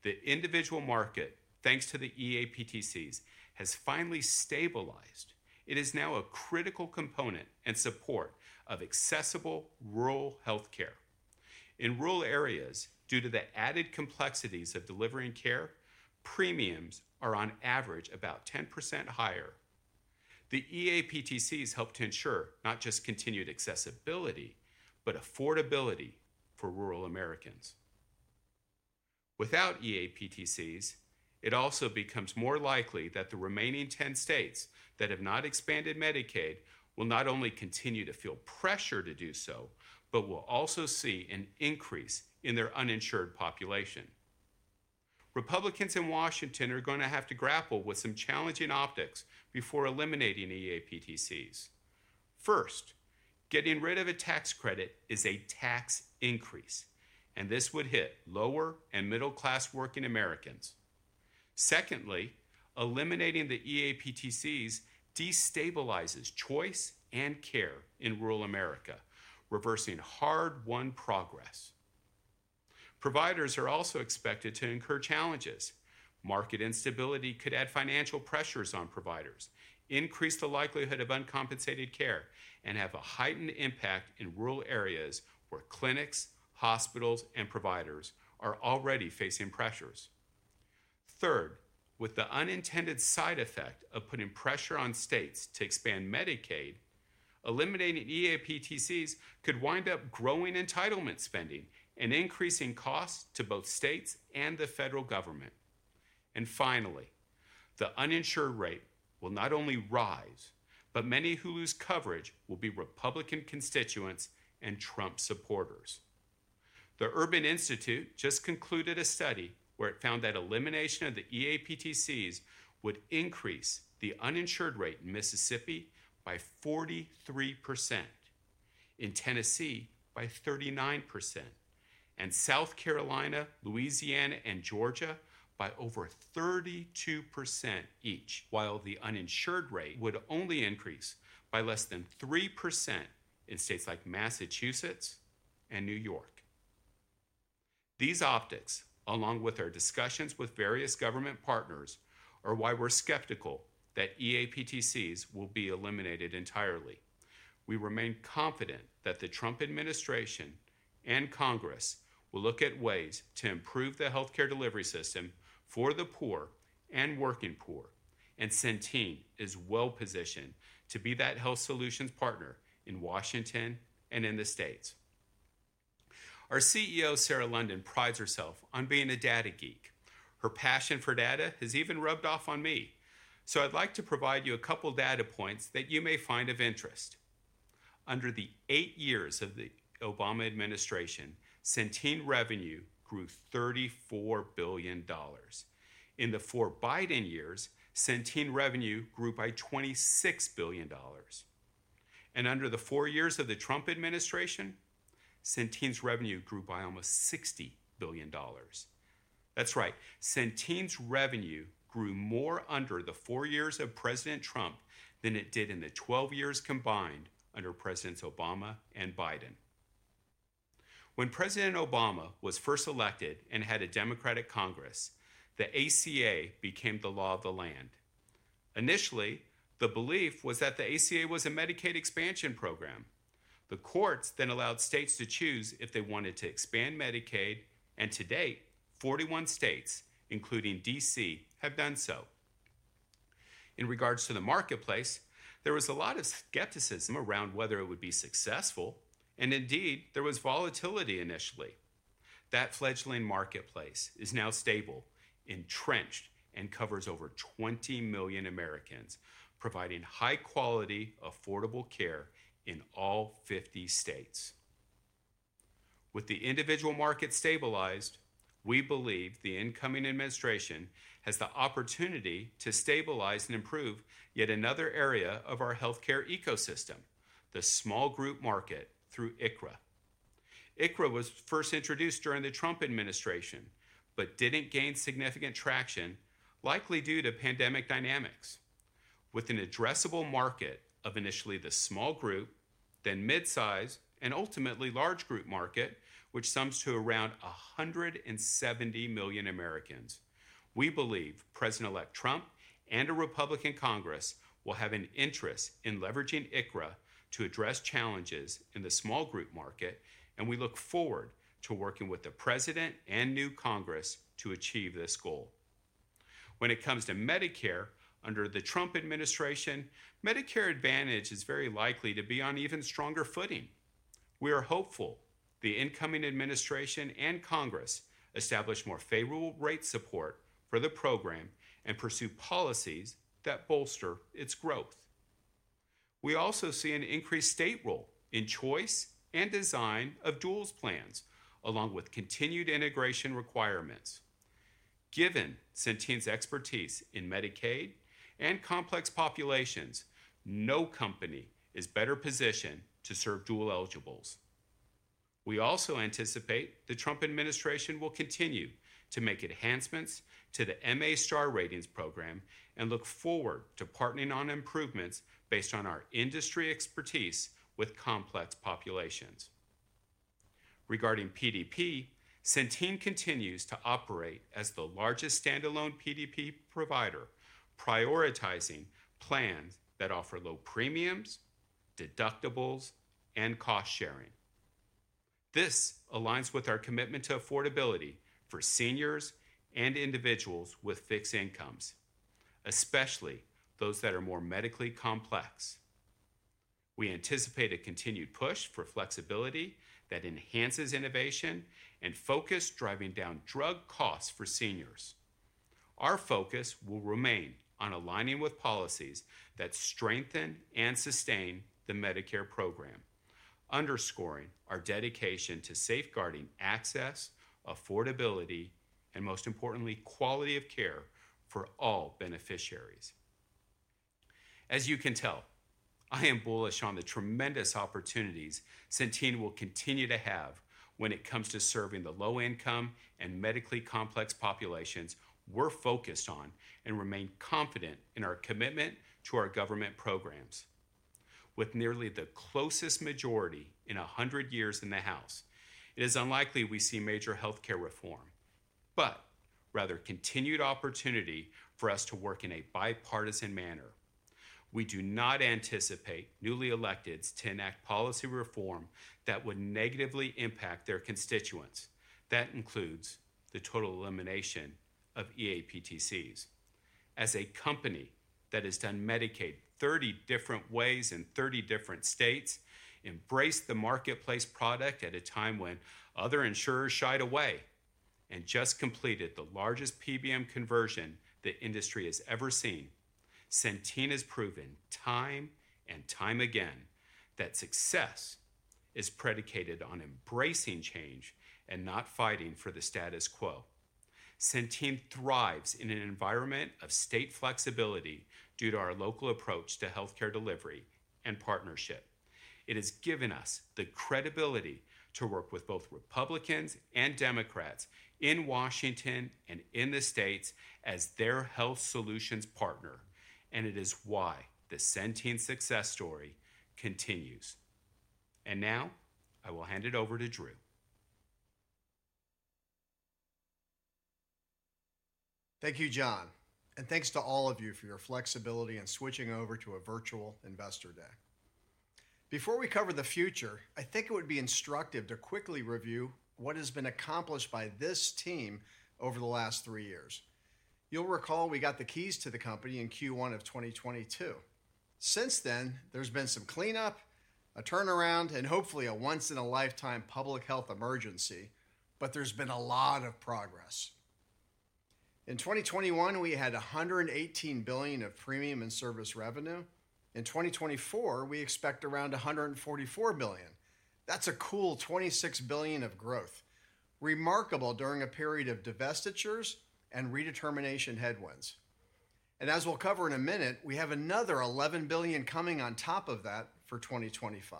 The individual market, thanks to the eAPTCs, has finally stabilized. It is now a critical component and support of accessible rural healthcare. In rural areas, due to the added complexities of delivering care, premiums are on average about 10% higher. The eAPTCs help to ensure not just continued accessibility, but affordability for rural Americans. Without eAPTCs, it also becomes more likely that the remaining 10 states that have not expanded Medicaid will not only continue to feel pressure to do so, but will also see an increase in their uninsured population. Republicans in Washington are going to have to grapple with some challenging optics before eliminating eAPTCs. First, getting rid of a tax credit is a tax increase, and this would hit lower and middle-class working Americans. Secondly, eliminating the eAPTCs destabilizes choice and care in rural America, reversing hard-won progress. Providers are also expected to incur challenges. Market instability could add financial pressures on providers, increase the likelihood of uncompensated care, and have a heightened impact in rural areas where clinics, hospitals, and providers are already facing pressures. Third, with the unintended side effect of putting pressure on states to expand Medicaid, eliminating eAPTCs could wind up growing entitlement spending and increasing costs to both states and the federal government. And finally, the uninsured rate will not only rise, but many who lose coverage will be Republican constituents and Trump supporters. The Urban Institute just concluded a study where it found that elimination of the eAPTCs would increase the uninsured rate in Mississippi by 43%, in Tennessee by 39%, and South Carolina, Louisiana, and Georgia by over 32% each, while the uninsured rate would only increase by less than 3% in states like Massachusetts and New York. These optics, along with our discussions with various government partners, are why we're skeptical that eAPTCs will be eliminated entirely. We remain confident that the Trump administration and Congress will look at ways to improve the healthcare delivery system for the poor and working poor, and Centene is well-positioned to be that health solutions partner in Washington and in the states. Our CEO, Sarah London, prides herself on being a data geek. Her passion for data has even rubbed off on me, so I'd like to provide you a couple of data points that you may find of interest. Under the eight years of the Obama administration, Centene revenue grew $34 billion. In the four Biden years, Centene revenue grew by $26 billion. And under the four years of the Trump administration, Centene's revenue grew by almost $60 billion. That's right. Centene's revenue grew more under the four years of President Trump than it did in the 12 years combined under Presidents Obama and Biden. When President Obama was first elected and had a Democratic Congress, the ACA became the law of the land. Initially, the belief was that the ACA was a Medicaid expansion program. The courts then allowed states to choose if they wanted to expand Medicaid, and to date, 41 states, including DC, have done so. In regards to the Marketplace, there was a lot of skepticism around whether it would be successful, and indeed, there was volatility initially. That fledgling Marketplace is now stable, entrenched, and covers over 20 million Americans, providing high-quality, affordable care in all 50 states. With the individual market stabilized, we believe the incoming administration has the opportunity to stabilize and improve yet another area of our healthcare ecosystem, the small group market through ICHRA. ICHRA was first introduced during the Trump administration, but didn't gain significant traction, likely due to pandemic dynamics. With an addressable market of initially the small group, then mid-size, and ultimately large group market, which sums to around 170 million Americans, we believe President-elect Trump and a Republican Congress will have an interest in leveraging ICHRA to address challenges in the small group market, and we look forward to working with the president and new Congress to achieve this goal. When it comes to Medicare under the Trump administration, Medicare Advantage is very likely to be on even stronger footing. We are hopeful the incoming administration and Congress establish more favorable rate support for the program and pursue policies that bolster its growth. We also see an increased state role in choice and design of duals plans, along with continued integration requirements. Given Centene's expertise in Medicaid and complex populations, no company is better positioned to serve Dual eligibles. We also anticipate the Trump administration will continue to make enhancements to the MA Star Ratings program and look forward to partnering on improvements based on our industry expertise with complex populations. Regarding PDP, Centene continues to operate as the largest standalone PDP provider, prioritizing plans that offer low premiums, deductibles, and cost sharing. This aligns with our commitment to affordability for seniors and individuals with fixed incomes, especially those that are more medically complex. We anticipate a continued push for flexibility that enhances innovation and focus driving down drug costs for seniors. Our focus will remain on aligning with policies that strengthen and sustain the Medicare program, underscoring our dedication to safeguarding access, affordability, and most importantly, quality of care for all beneficiaries. As you can tell, I am bullish on the tremendous opportunities Centene will continue to have when it comes to serving the low-income and medically complex populations we're focused on and remain confident in our commitment to our government programs. With nearly the closest majority in 100 years in the House, it is unlikely we see major healthcare reform, but rather continued opportunity for us to work in a bipartisan manner. We do not anticipate newly electeds to enact policy reform that would negatively impact their constituents. That includes the total elimination of eAPTCs. As a company that has done Medicaid 30 different ways in 30 different states, embraced the Marketplace product at a time when other insurers shied away, and just completed the largest PBM conversion the industry has ever seen, Centene has proven time and time again that success is predicated on embracing change and not fighting for the status quo. Centene thrives in an environment of state flexibility due to our local approach to healthcare delivery and partnership. It has given us the credibility to work with both Republicans and Democrats in Washington and in the states as their health solutions partner, and it is why the Centene success story continues. And now, I will hand it over to Drew. Thank you, Jon, and thanks to all of you for your flexibility in switching over to a virtual investor day. Before we cover the future, I think it would be instructive to quickly review what has been accomplished by this team over the last three years. You'll recall we got the keys to the company in Q1 of 2022. Since then, there's been some cleanup, a turnaround, and hopefully a once-in-a-lifetime public health emergency, but there's been a lot of progress. In 2021, we had $118 billion of premium and service revenue. In 2024, we expect around $144 billion. That's a cool $26 billion of growth, remarkable during a period of divestitures and redetermination headwinds, and as we'll cover in a minute, we have another $11 billion coming on top of that for 2025,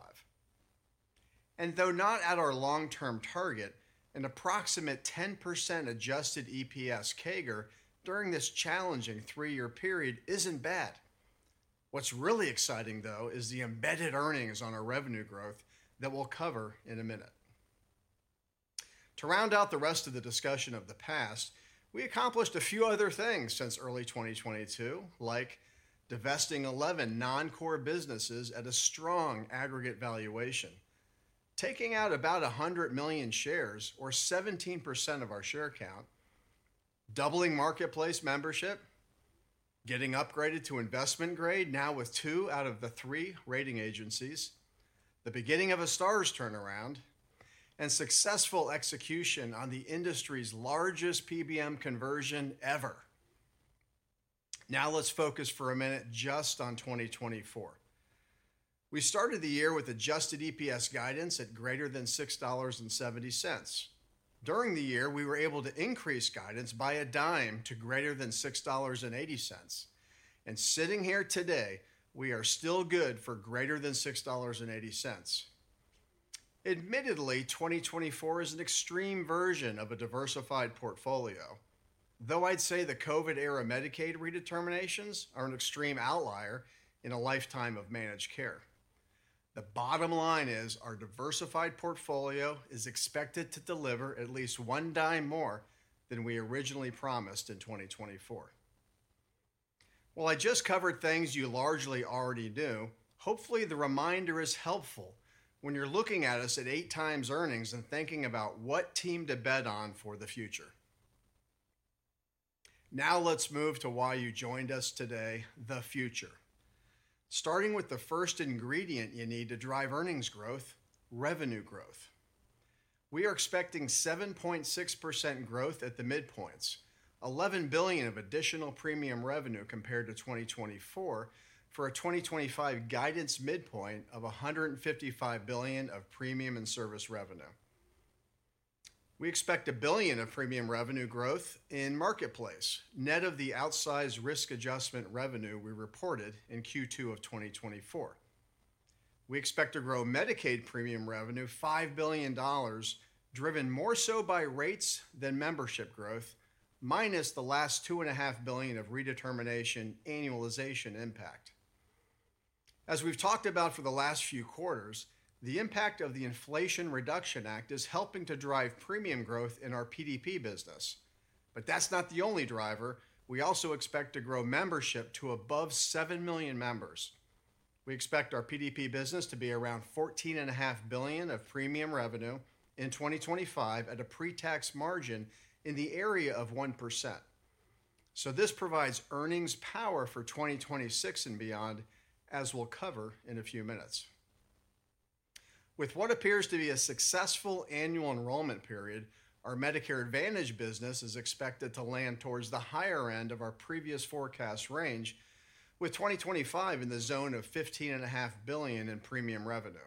and though not at our long-term target, an approximate 10% adjusted EPS CAGR during this challenging three-year period isn't bad. What's really exciting, though, is the embedded earnings on our revenue growth that we'll cover in a minute. To round out the rest of the discussion of the past, we accomplished a few other things since early 2022, like divesting 11 non-core businesses at a strong aggregate valuation, taking out about 100 million shares, or 17% of our share count, doubling Marketplace membership, getting upgraded to investment grade now with two out of the three rating agencies, the beginning of a Stars turnaround, and successful execution on the industry's largest PBM conversion ever. Now let's focus for a minute just on 2024. We started the year with adjusted EPS guidance at greater than $6.70. During the year, we were able to increase guidance by a dime to greater than $6.80. And sitting here today, we are still good for greater than $6.80. Admittedly, 2024 is an extreme version of a diversified portfolio, though I'd say the COVID-era Medicaid redeterminations are an extreme outlier in a lifetime of managed care. The bottom line is our diversified portfolio is expected to deliver at least $0.10 more than we originally promised in 2024. While I just covered things you largely already knew, hopefully the reminder is helpful when you're looking at us at 8x earnings and thinking about what team to bet on for the future. Now let's move to why you joined us today, the future. Starting with the first ingredient you need to drive earnings growth, revenue growth. We are expecting 7.6% growth at the midpoints, $11 billion of additional premium revenue compared to 2024, for a 2025 guidance midpoint of $155 billion of premium and service revenue. We expect $1 billion of premium revenue growth in Marketplace, net of the outsized risk adjustment revenue we reported in Q2 of 2024. We expect to grow Medicaid premium revenue $5 billion, driven more so by rates than membership growth, minus the last $2.5 billion of redetermination annualization impact. As we've talked about for the last few quarters, the impact of the Inflation Reduction Act is helping to drive premium growth in our PDP business. But that's not the only driver. We also expect to grow membership to above 7 million members. We expect our PDP business to be around $14.5 billion of premium revenue in 2025 at a pre-tax margin in the area of 1%. So this provides earnings power for 2026 and beyond, as we'll cover in a few minutes. With what appears to be a successful annual enrollment period, our Medicare Advantage business is expected to land towards the higher end of our previous forecast range, with 2025 in the zone of $15.5 billion in premium revenue.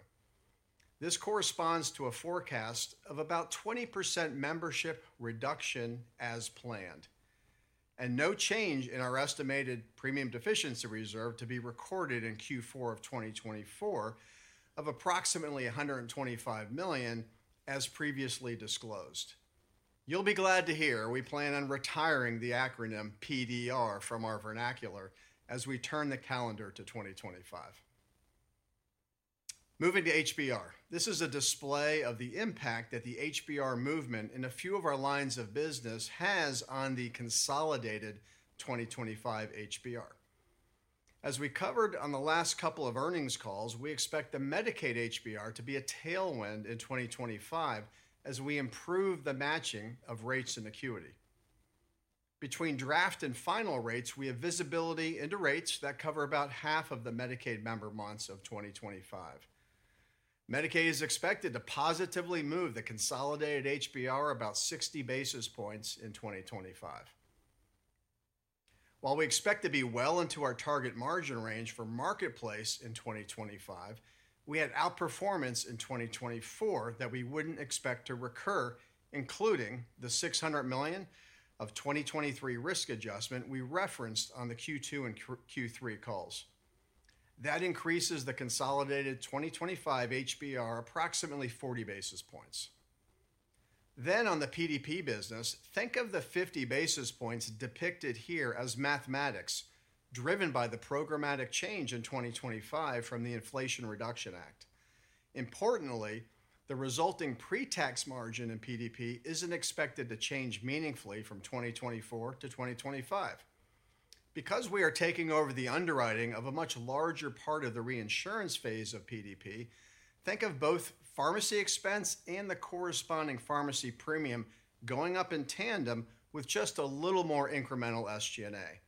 This corresponds to a forecast of about 20% membership reduction as planned, and no change in our estimated premium deficiency reserve to be recorded in Q4 of 2024 of approximately $125 million, as previously disclosed. You'll be glad to hear we plan on retiring the acronym PDR from our vernacular as we turn the calendar to 2025. Moving to HBR. This is a display of the impact that the HBR movement in a few of our lines of business has on the consolidated 2025 HBR. As we covered on the last couple of earnings calls, we expect the Medicaid HBR to be a tailwind in 2025 as we improve the matching of rates and acuity. Between draft and final rates, we have visibility into rates that cover about half of the Medicaid member months of 2025. Medicaid is expected to positively move the consolidated HBR about 60 basis points in 2025. While we expect to be well into our target margin range for Marketplace in 2025, we had outperformance in 2024 that we wouldn't expect to recur, including the $600 million of 2023 risk adjustment we referenced on the Q2 and Q3 calls. That increases the consolidated 2025 HBR approximately 40 basis points. Then on the PDP business, think of the 50 basis points depicted here as mathematics, driven by the programmatic change in 2025 from the Inflation Reduction Act. Importantly, the resulting pre-tax margin in PDP isn't expected to change meaningfully from 2024 to 2025. Because we are taking over the underwriting of a much larger part of the reinsurance phase of PDP, think of both pharmacy expense and the corresponding pharmacy premium going up in tandem with just a little more incremental SG&A.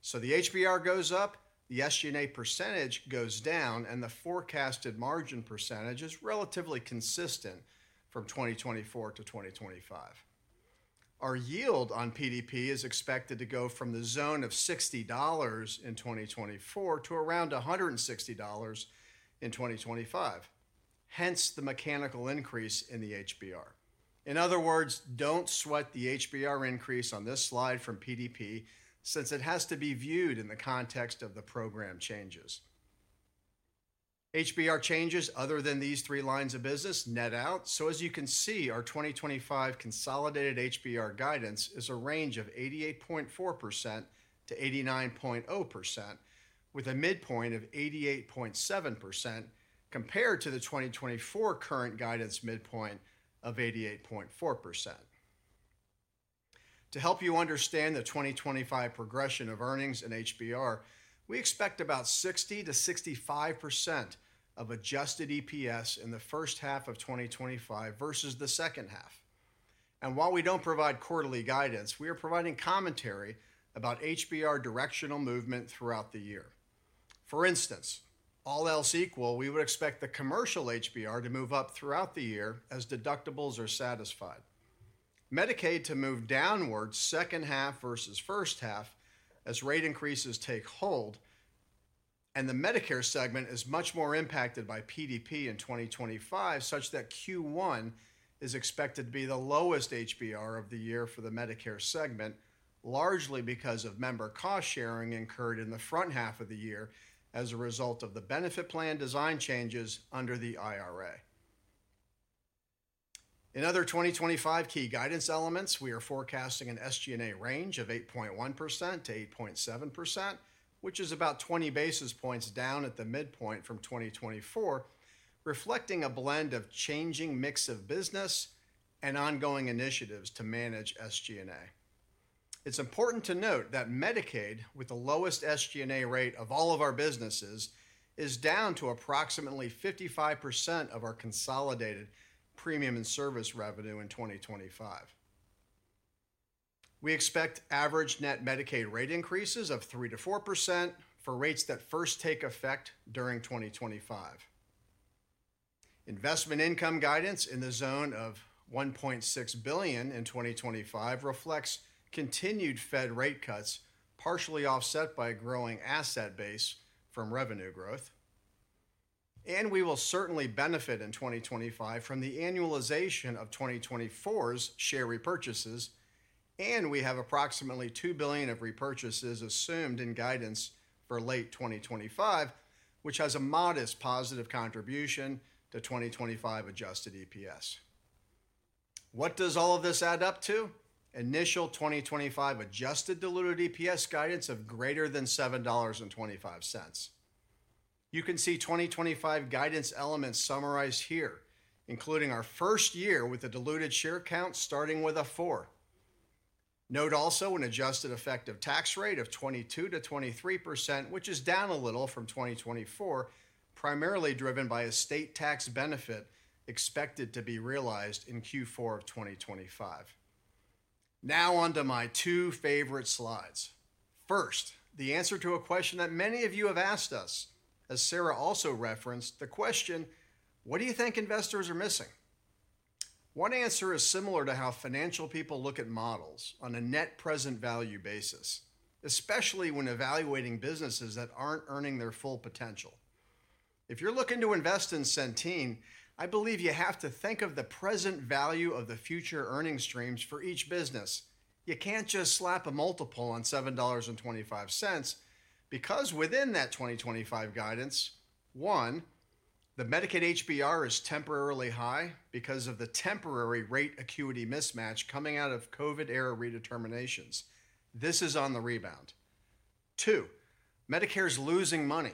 So the HBR goes up, the SG&A percentage goes down, and the forecasted margin percentage is relatively consistent from 2024 to 2025. Our yield on PDP is expected to go from the zone of $60 in 2024 to around $160 in 2025, hence the mechanical increase in the HBR. In other words, don't sweat the HBR increase on this slide from PDP, since it has to be viewed in the context of the program changes. HBR changes other than these three lines of business net out. As you can see, our 2025 consolidated HBR guidance is a range of 88.4%-89.0%, with a midpoint of 88.7% compared to the 2024 current guidance midpoint of 88.4%. To help you understand the 2025 progression of earnings in HBR, we expect about 60%-65% of adjusted EPS in the first half of 2025 versus the second half. While we don't provide quarterly guidance, we are providing commentary about HBR directional movement throughout the year. For instance, all else equal, we would expect the commercial HBR to move up throughout the year as deductibles are satisfied. Medicaid to move downward second half versus first half as rate increases take hold, and the Medicare segment is much more impacted by PDP in 2025, such that Q1 is expected to be the lowest HBR of the year for the Medicare segment, largely because of member cost sharing incurred in the front half of the year as a result of the benefit plan design changes under the IRA. In other 2025 key guidance elements, we are forecasting an SG&A range of 8.1%-8.7%, which is about 20 basis points down at the midpoint from 2024, reflecting a blend of changing mix of business and ongoing initiatives to manage SG&A. It's important to note that Medicaid, with the lowest SG&A rate of all of our businesses, is down to approximately 55% of our consolidated premium and service revenue in 2025. We expect average net Medicaid rate increases of 3%-4% for rates that first take effect during 2025. Investment income guidance in the zone of $1.6 billion in 2025 reflects continued Fed rate cuts partially offset by a growing asset base from revenue growth, and we will certainly benefit in 2025 from the annualization of 2024's share repurchases, and we have approximately $2 billion of repurchases assumed in guidance for late 2025, which has a modest positive contribution to 2025 adjusted EPS. What does all of this add up to? Initial 2025 adjusted diluted EPS guidance of greater than $7.25. You can see 2025 guidance elements summarized here, including our first year with a diluted share count starting with a 4. Note also an adjusted effective tax rate of 22%-23%, which is down a little from 2024, primarily driven by a state tax benefit expected to be realized in Q4 of 2025. Now on to my two favorite slides. First, the answer to a question that many of you have asked us, as Sarah also referenced, the question, what do you think investors are missing? One answer is similar to how financial people look at models on a net present value basis, especially when evaluating businesses that aren't earning their full potential. If you're looking to invest in Centene, I believe you have to think of the present value of the future earnings streams for each business. You can't just slap a multiple on $7.25 because within that 2025 guidance, one, the Medicaid HBR is temporarily high because of the temporary rate acuity mismatch coming out of COVID-era redeterminations. This is on the rebound. Two, Medicare is losing money.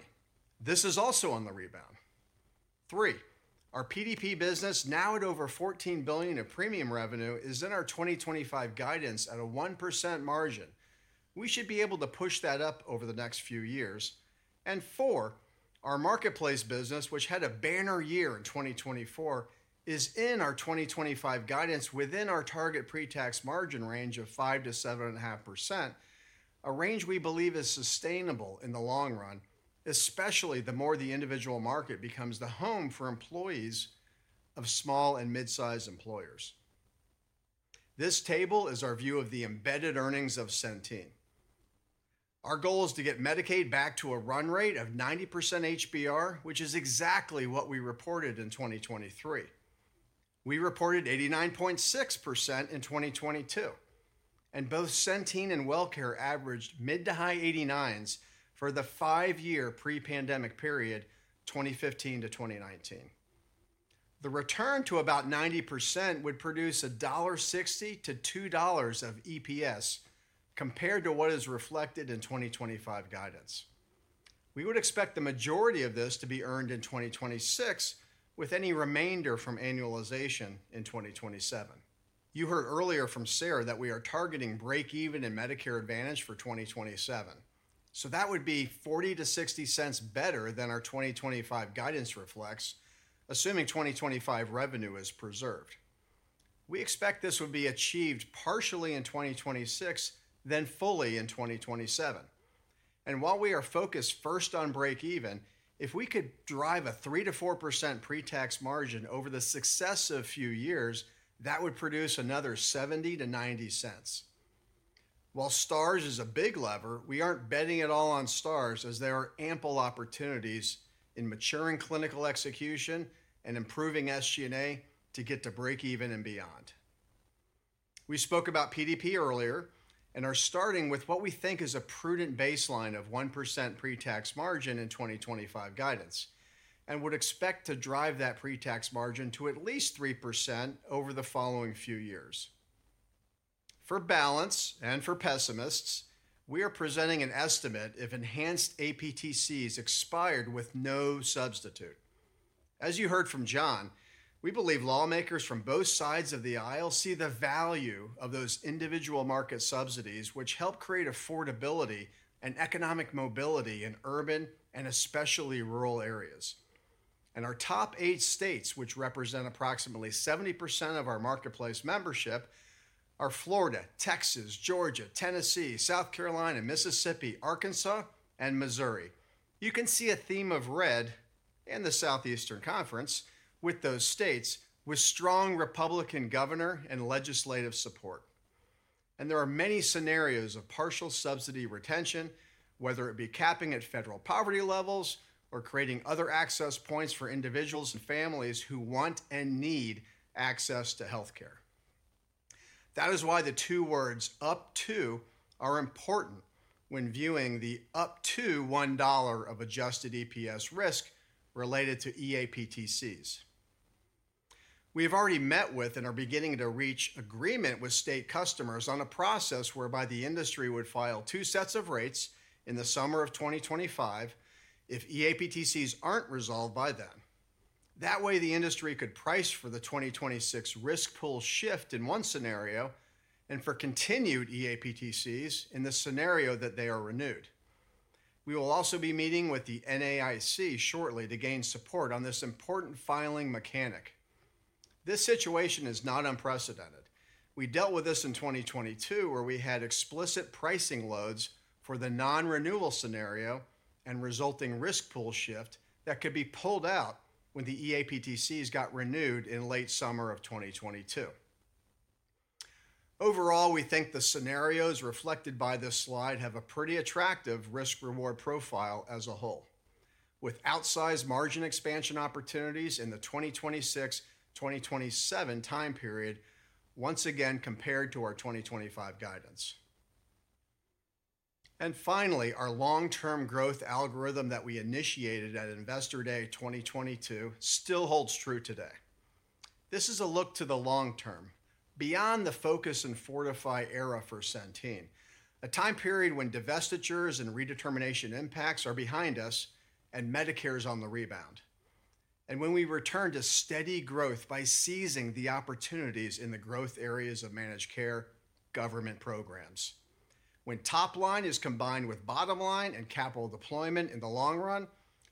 This is also on the rebound. Three, our PDP business now at over $14 billion of premium revenue is in our 2025 guidance at a 1% margin. We should be able to push that up over the next few years. And four, our Marketplace business, which had a banner year in 2024, is in our 2025 guidance within our target pre-tax margin range of 5%-7.5%, a range we believe is sustainable in the long run, especially the more the individual market becomes the home for employees of small and mid-sized employers. This table is our view of the embedded earnings of Centene. Our goal is to get Medicaid back to a run rate of 90% HBR, which is exactly what we reported in 2023. We reported 89.6% in 2022, and both Centene and WellCare averaged mid to high 89s for the five-year pre-pandemic period, 2015 to 2019. The return to about 90% would produce a $1.60-$2 of EPS compared to what is reflected in 2025 guidance. We would expect the majority of this to be earned in 2026 with any remainder from annualization in 2027. You heard earlier from Sarah that we are targeting break-even in Medicare Advantage for 2027. So that would be $0.40-$0.60 better than our 2025 guidance reflects, assuming 2025 revenue is preserved. We expect this would be achieved partially in 2026, then fully in 2027. While we are focused first on break-even, if we could drive a 3%-4% pre-tax margin over the successive few years, that would produce another $0.70-$0.90. While Stars is a big lever, we aren't betting it all on Stars as there are ample opportunities in maturing clinical execution and improving SG&A to get to break-even and beyond. We spoke about PDP earlier and are starting with what we think is a prudent baseline of 1% pre-tax margin in 2025 guidance and would expect to drive that pre-tax margin to at least 3% over the following few years. For balance and for pessimists, we are presenting an estimate if enhanced eAPTCs expired with no substitute. As you heard from Jon, we believe lawmakers from both sides of the aisle see the value of those individual market subsidies, which help create affordability and economic mobility in urban and especially rural areas. Our top eight states, which represent approximately 70% of our Marketplace membership, are Florida, Texas, Georgia, Tennessee, South Carolina, Mississippi, Arkansas, and Missouri. You can see a theme of red in the Southeastern Conference with those states with strong Republican governor and legislative support, and there are many scenarios of partial subsidy retention, whether it be capping at federal poverty levels or creating other access points for individuals and families who want and need access to healthcare. That is why the two words "up to" are important when viewing the up to $1 of adjusted EPS risk related to eAPTCs. We have already met with and are beginning to reach agreement with state customers on a process whereby the industry would file two sets of rates in the summer of 2025 if eAPTCs aren't resolved by them. That way, the industry could price for the 2026 risk pool shift in one scenario and for continued eAPTCs in the scenario that they are renewed. We will also be meeting with the NAIC shortly to gain support on this important filing mechanic. This situation is not unprecedented. We dealt with this in 2022, where we had explicit pricing loads for the non-renewal scenario and resulting risk pool shift that could be pulled out when the eAPTCs got renewed in late summer of 2022. Overall, we think the scenarios reflected by this slide have a pretty attractive risk-reward profile as a whole, with outsized margin expansion opportunities in the 2026-2027 time period, once again compared to our 2025 guidance. Finally, our long-term growth algorithm that we initiated at Investor Day 2022 still holds true today. This is a look to the long term, beyond the focus and fortify era for Centene, a time period when divestitures and redetermination impacts are behind us and Medicare is on the rebound. And when we return to steady growth by seizing the opportunities in the growth areas of managed care government programs. When top line is combined with bottom line and capital deployment in the long run,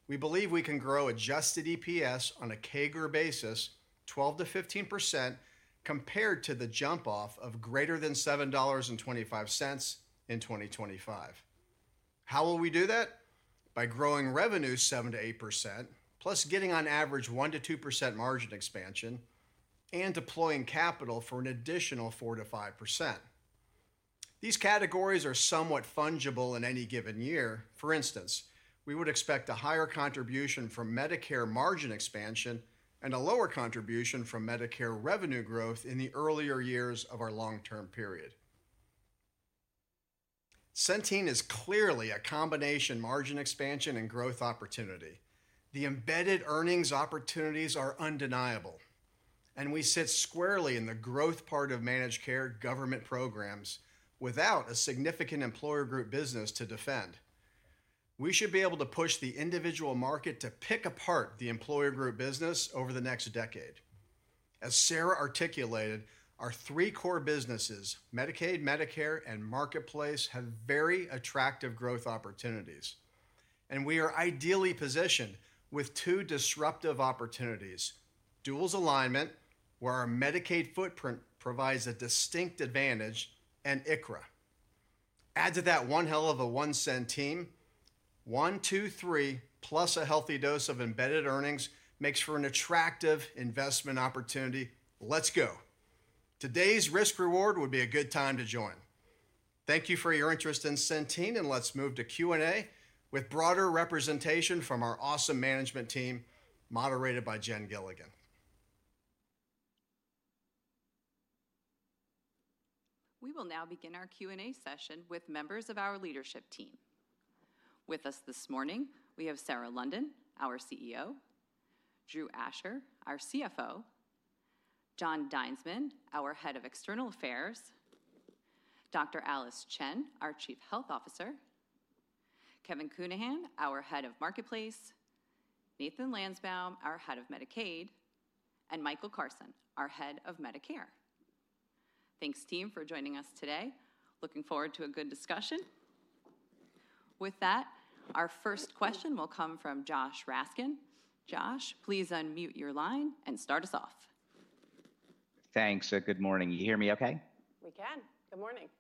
we believe we can grow adjusted EPS on a CAGR basis, 12-15%, compared to the jump off of greater than $7.25 in 2025. How will we do that? By growing revenue 7-8%, plus getting on average 1-2% margin expansion and deploying capital for an additional 4-5%. These categories are somewhat fungible in any given year. For instance, we would expect a higher contribution from Medicare margin expansion and a lower contribution from Medicare revenue growth in the earlier years of our long-term period. Centene is clearly a combination margin expansion and growth opportunity. The embedded earnings opportunities are undeniable, and we sit squarely in the growth part of managed care government programs without a significant employer group business to defend. We should be able to push the individual market to pick apart the employer group business over the next decade. As Sarah articulated, our three core businesses, Medicaid, Medicare, and Marketplace, have very attractive growth opportunities. And we are ideally positioned with two disruptive opportunities: Duals alignment, where our Medicaid footprint provides a distinct advantage, and ICHRA. Add to that one hell of a CenTeam, one, two, three, plus a healthy dose of embedded earnings makes for an attractive investment opportunity. Let's go. Today's risk-reward would be a good time to join. Thank you for your interest in Centene, and let's move to Q&A with broader representation from our awesome management team, moderated by Jen Gilligan. We will now begin our Q&A session with members of our leadership team. With us this morning, we have Sarah London, our CEO; Drew Asher, our CFO; Jon Dinesman, our Head of External Affairs; Dr. Alice Chen, our Chief Health Officer; Kevin Counihan, our Head of Marketplace; Nathan Landsbaum, our Head of Medicaid; and Michael Carson, our Head of Medicare. Thanks, team, for joining us today. Looking forward to a good discussion. With that, our first question will come from Josh Raskin. Josh, please unmute your line and start us off. Thanks. Good morning. You hear me okay? We can. Good morning. Perfect.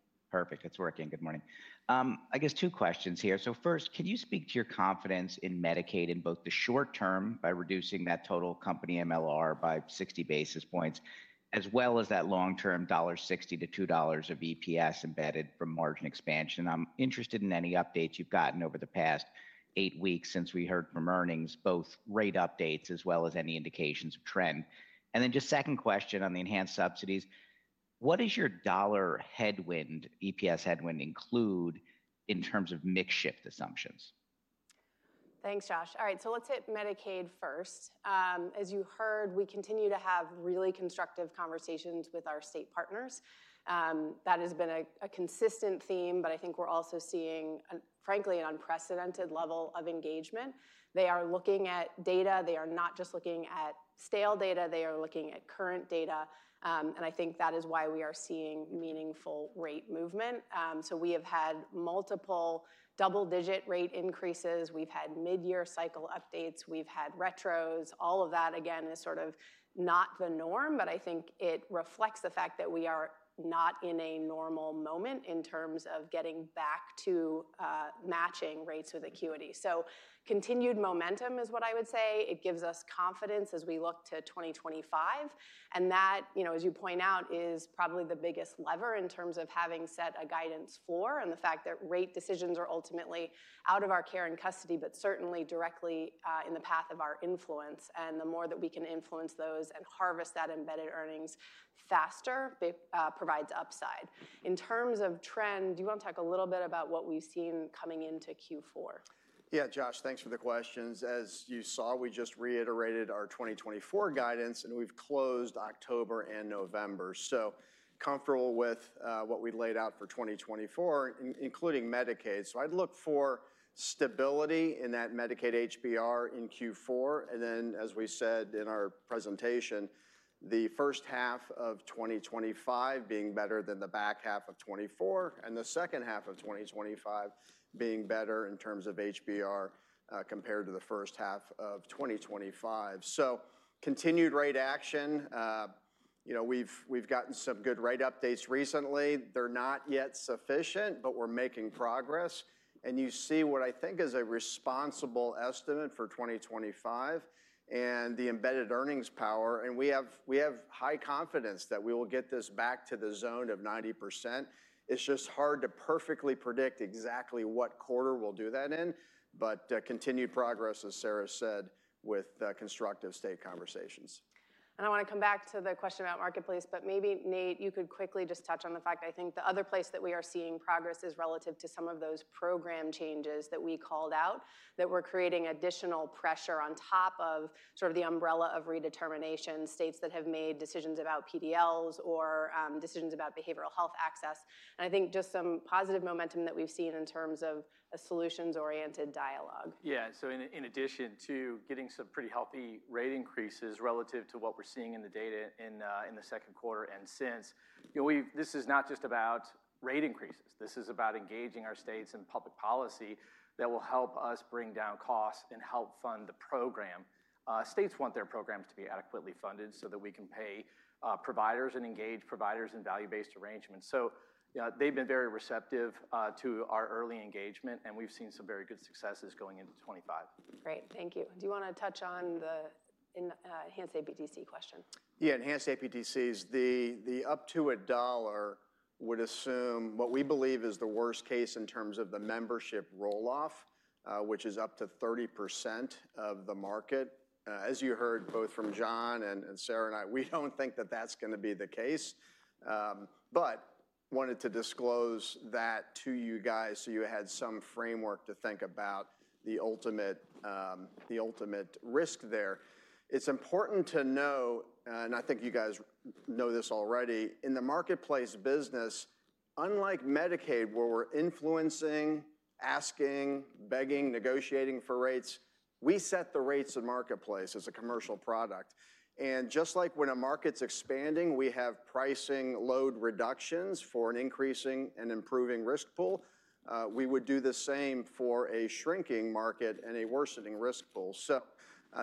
It's working. Good morning. I guess two questions here. So first, can you speak to your confidence in Medicaid in both the short term by reducing that total company MLR by 60 basis points, as well as that long-term $1.60-$2 of EPS embedded from margin expansion? I'm interested in any updates you've gotten over the past eight weeks since we heard from earnings, both rate updates as well as any indications of trend. And then just second question on the enhanced subsidies. What does your dollar headwind, EPS headwind, include in terms of mixed shift assumptions? Thanks, Josh. All right, so let's hit Medicaid first. As you heard, we continue to have really constructive conversations with our state partners. That has been a consistent theme, but I think we're also seeing, frankly, an unprecedented level of engagement. They are looking at data. They are not just looking at stale data. They are looking at current data. And I think that is why we are seeing meaningful rate movement. So we have had multiple double-digit rate increases. We've had mid-year cycle updates. We've had retros. All of that, again, is sort of not the norm, but I think it reflects the fact that we are not in a normal moment in terms of getting back to matching rates with acuity. So continued momentum is what I would say. It gives us confidence as we look to 2025. And that, as you point out, is probably the biggest lever in terms of having set a guidance floor and the fact that rate decisions are ultimately out of our care and custody, but certainly directly in the path of our influence. And the more that we can influence those and harvest that embedded earnings faster, it provides upside. In terms of trend, do you want to talk a little bit about what we've seen coming into Q4? Yeah, Josh, thanks for the questions. As you saw, we just reiterated our 2024 guidance, and we've closed October and November. So comfortable with what we laid out for 2024, including Medicaid. So I'd look for stability in that Medicaid HBR in Q4. And then, as we said in our presentation, the first half of 2025 being better than the back half of 2024 and the second half of 2025 being better in terms of HBR compared to the first half of 2025. So continued rate action. We've gotten some good rate updates recently. They're not yet sufficient, but we're making progress. And you see what I think is a responsible estimate for 2025 and the embedded earnings power. And we have high confidence that we will get this back to the zone of 90%. It's just hard to perfectly predict exactly what quarter we'll do that in, but continued progress, as Sarah said, with constructive state conversations. And I want to come back to the question about Marketplace, but maybe, Nate, you could quickly just touch on the fact I think the other place that we are seeing progress is relative to some of those program changes that we called out that we're creating additional pressure on top of sort of the umbrella of redetermination states that have made decisions about PDLs or decisions about behavioral health access. And I think just some positive momentum that we've seen in terms of a solutions-oriented dialogue. Yeah, so in addition to getting some pretty healthy rate increases relative to what we're seeing in the data in the second quarter and since, this is not just about rate increases. This is about engaging our states in public policy that will help us bring down costs and help fund the program. States want their programs to be adequately funded so that we can pay providers and engage providers in value-based arrangements. So they've been very receptive to our early engagement, and we've seen some very good successes going into 2025. Great. Thank you. Do you want to touch on the enhanced APTC question? Yeah, enhanced APTCs. The up to $1 would assume what we believe is the worst case in terms of the membership roll-off, which is up to 30% of the market. As you heard both from Jon and Sarah and I, we don't think that that's going to be the case. But wanted to disclose that to you guys so you had some framework to think about the ultimate risk there. It's important to know, and I think you guys know this already, in the Marketplace business, unlike Medicaid, where we're influencing, asking, begging, negotiating for rates, we set the rates of Marketplace as a commercial product. And just like when a market's expanding, we have pricing load reductions for an increasing and improving risk pool. We would do the same for a shrinking market and a worsening risk pool. So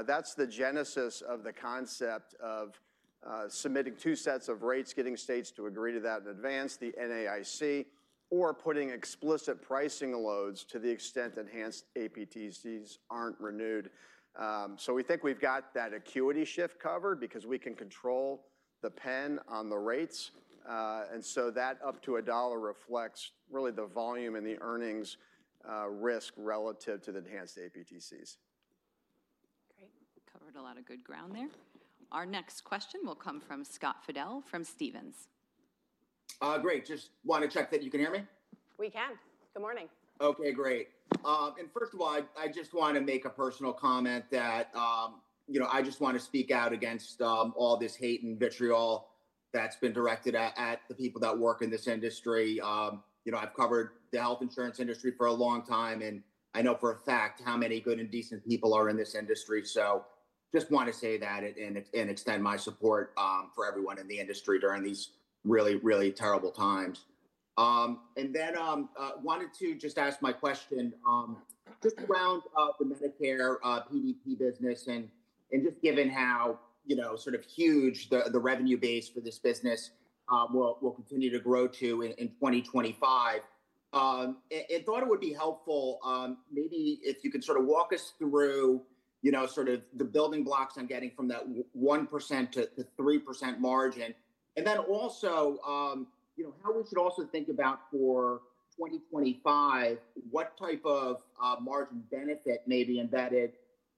that's the genesis of the concept of submitting two sets of rates, getting states to agree to that in advance, the NAIC, or putting explicit pricing loads to the extent enhanced APTCs aren't renewed. So we think we've got that acuity shift covered because we can control the pen on the rates. And so that up to $1 reflects really the volume and the earnings risk relative to the enhanced APTCs. Great. Covered a lot of good ground there. Our next question will come from Scott Fidel from Stephens. Great. Just want to check that you can hear me. We can. Good morning. Okay, great. And first of all, I just want to make a personal comment that I just want to speak out against all this hate and vitriol that's been directed at the people that work in this industry. I've covered the health insurance industry for a long time, and I know for a fact how many good and decent people are in this industry. So just want to say that and extend my support for everyone in the industry during these really, really terrible times. And then I wanted to just ask my question just around the Medicare PDP business and just given how sort of huge the revenue base for this business will continue to grow to in 2025. And thought it would be helpful maybe if you could sort of walk us through sort of the building blocks I'm getting from that 1%-3% margin. And then also how we should also think about for 2025, what type of margin benefit may be embedded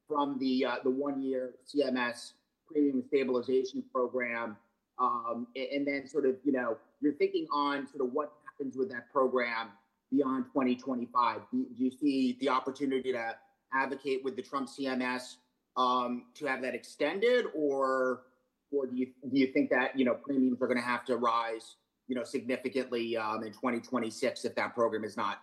from the one-year CMS premium stabilization program. And then sort of you're thinking on sort of what happens with that program beyond 2025. Do you see the opportunity to advocate with the Trump CMS to have that extended, or do you think that premiums are going to have to rise significantly in 2026 if that program is not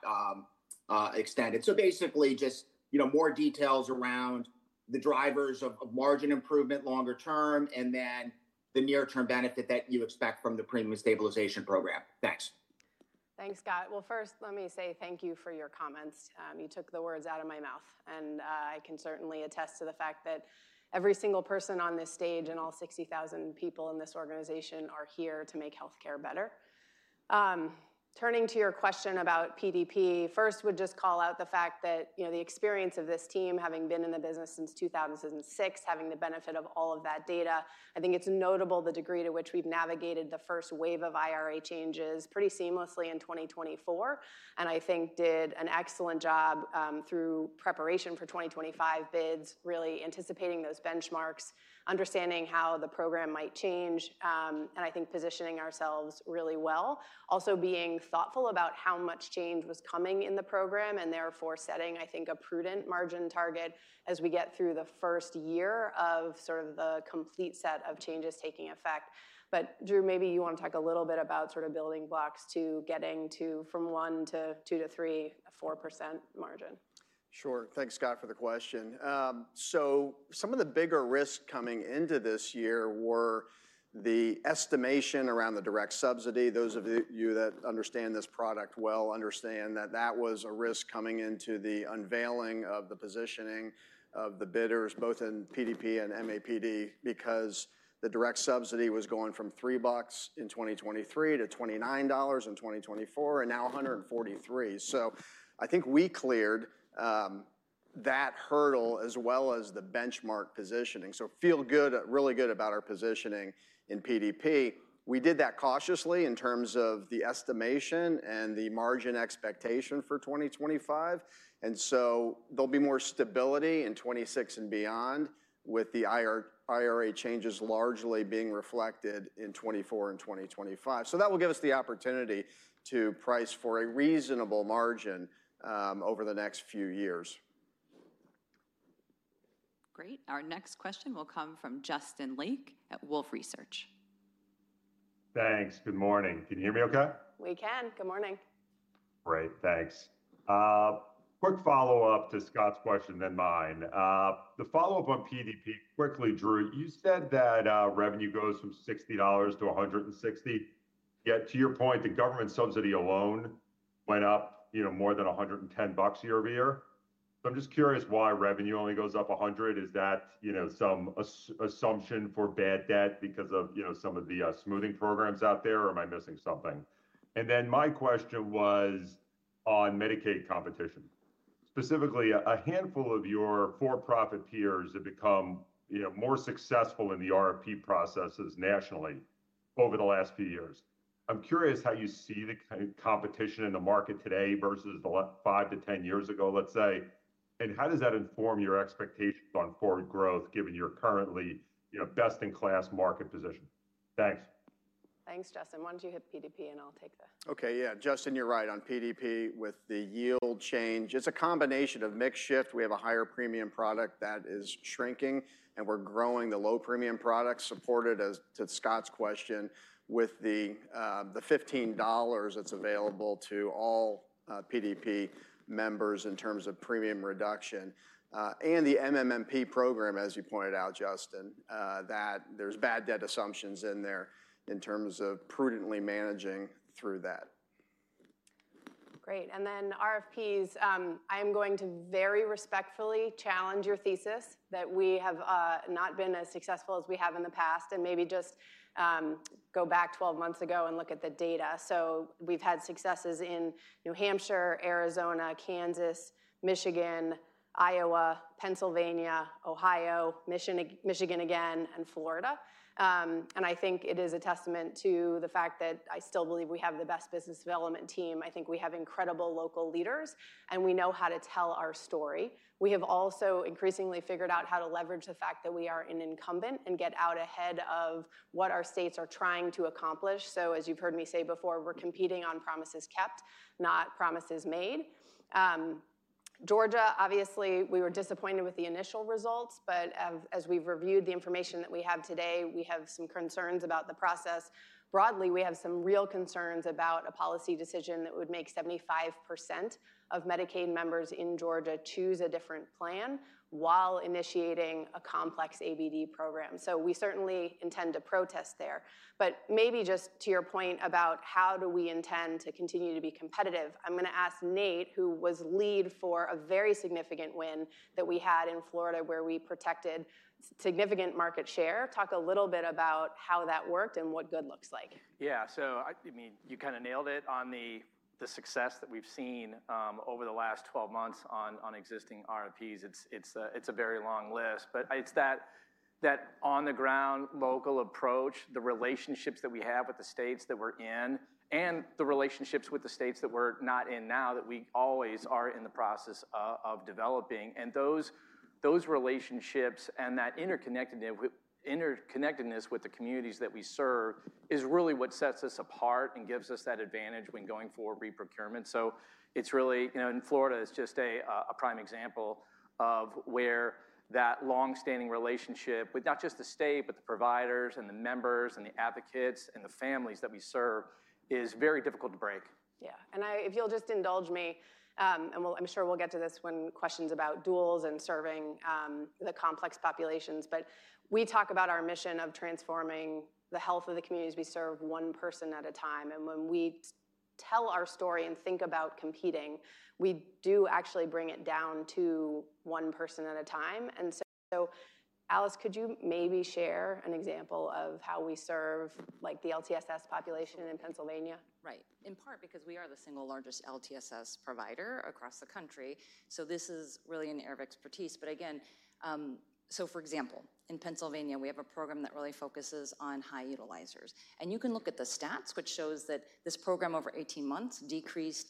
extended? So basically, just more details around the drivers of margin improvement longer term and then the near-term benefit that you expect from the premium stabilization program. Thanks. Thanks, Scott. Well, first, let me say thank you for your comments. You took the words out of my mouth, and I can certainly attest to the fact that every single person on this stage and all 60,000 people in this organization are here to make healthcare better. Turning to your question about PDP, first would just call out the fact that the experience of this team having been in the business since 2006, having the benefit of all of that data, I think it's notable the degree to which we've navigated the first wave of IRA changes pretty seamlessly in 2024. And I think did an excellent job through preparation for 2025 bids, really anticipating those benchmarks, understanding how the program might change, and I think positioning ourselves really well. Also being thoughtful about how much change was coming in the program and therefore setting, I think, a prudent margin target as we get through the first year of sort of the complete set of changes taking effect. But Drew, maybe you want to talk a little bit about sort of building blocks to getting from one to two to three to 4% margin. Sure. Thanks, Scott, for the question. So some of the bigger risks coming into this year were the estimation around the direct subsidy. Those of you that understand this product well understand that that was a risk coming into the unveiling of the positioning of the bidders, both in PDP and MAPD, because the direct subsidy was going from $3 in 2023 to $29 in 2024 and now $143. So I think we cleared that hurdle as well as the benchmark positioning. So feel good, really good about our positioning in PDP. We did that cautiously in terms of the estimation and the margin expectation for 2025. And so there'll be more stability in 2026 and beyond with the IRA changes largely being reflected in 2024 and 2025. So that will give us the opportunity to price for a reasonable margin over the next few years. Great. Our next question will come from Justin Lake at Wolfe Research. Thanks. Good morning. Can you hear me okay? We can. Good morning. Great. Thanks. Quick follow-up to Scott's question and mine. The follow-up on PDP, quickly, Drew, you said that revenue goes from $60 to $160. Yet to your point, the government subsidy alone went up more than $110 year-over-year. So I'm just curious why revenue only goes up $100. Is that some assumption for bad debt because of some of the smoothing programs out there, or am I missing something? And then my question was on Medicaid competition. Specifically, a handful of your for-profit peers have become more successful in the RFP processes nationally over the last few years. I'm curious how you see the competition in the market today versus five to ten years ago, let's say, and how does that inform your expectations on forward growth given your currently best-in-class market position? Thanks. Thanks, Justin. Why don't you hit PDP and I'll take that. Okay, yeah. Justin, you're right on PDP with the yield change. It's a combination of mix shift. We have a higher premium product that is shrinking, and we're growing the low premium product supported, to Scott's question, with the $15 that's available to all PDP members in terms of premium reduction. And the MMP program, as you pointed out, Justin, that there's bad debt assumptions in there in terms of prudently managing through that. Great. And then, RFPs. I am going to very respectfully challenge your thesis that we have not been as successful as we have in the past and maybe just go back 12 months ago and look at the data. So, we've had successes in New Hampshire, Arizona, Kansas, Michigan, Iowa, Pennsylvania, Ohio, Michigan again, and Florida. And I think it is a testament to the fact that I still believe we have the best business development team. I think we have incredible local leaders, and we know how to tell our story. We have also increasingly figured out how to leverage the fact that we are an incumbent and get out ahead of what our states are trying to accomplish. So, as you've heard me say before, we're competing on promises kept, not promises made. Georgia, obviously, we were disappointed with the initial results, but as we've reviewed the information that we have today, we have some concerns about the process. Broadly, we have some real concerns about a policy decision that would make 75% of Medicaid members in Georgia choose a different plan while initiating a complex ABD program. So we certainly intend to protest there. But maybe just to your point about how do we intend to continue to be competitive, I'm going to ask Nate, who was lead for a very significant win that we had in Florida where we protected significant market share, talk a little bit about how that worked and what good looks like. Yeah. So I mean, you kind of nailed it on the success that we've seen over the last 12 months on existing RFPs. It's a very long list, but it's that on-the-ground local approach, the relationships that we have with the states that we're in, and the relationships with the states that we're not in now that we always are in the process of developing. And those relationships and that interconnectedness with the communities that we serve is really what sets us apart and gives us that advantage when going for reprocurement. So it's really, in Florida, it's just a prime example of where that long-standing relationship with not just the state, but the providers and the members and the advocates and the families that we serve is very difficult to break. Yeah. If you'll just indulge me, and I'm sure we'll get to this when questions about Duals and serving the complex populations, but we talk about our mission of transforming the health of the communities we serve one person at a time. When we tell our story and think about competing, we do actually bring it down to one person at a time. So, Alice, could you maybe share an example of how we serve the LTSS population in Pennsylvania? Right. In part because we are the single largest LTSS provider across the country. So this is really an area of expertise. But again, so for example, in Pennsylvania, we have a program that really focuses on high utilizers. You can look at the stats, which shows that this program over 18 months decreased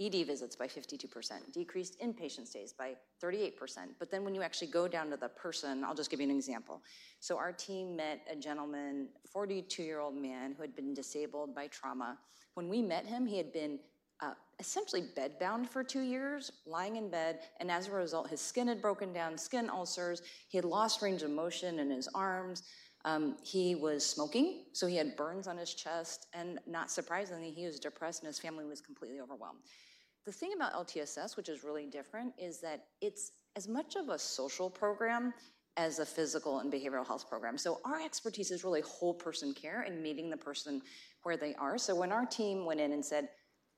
ED visits by 52%, decreased inpatient stays by 38%. Then when you actually go down to the person, I'll just give you an example. Our team met a gentleman, a 42-year-old man who had been disabled by trauma. When we met him, he had been essentially bedbound for two years, lying in bed. As a result, his skin had broken down, skin ulcers. He had lost range of motion in his arms. He was smoking, so he had burns on his chest. Not surprisingly, he was depressed, and his family was completely overwhelmed. The thing about LTSS, which is really different, is that it's as much of a social program as a physical and behavioral health program. Our expertise is really whole person care and meeting the person where they are. When our team went in and said,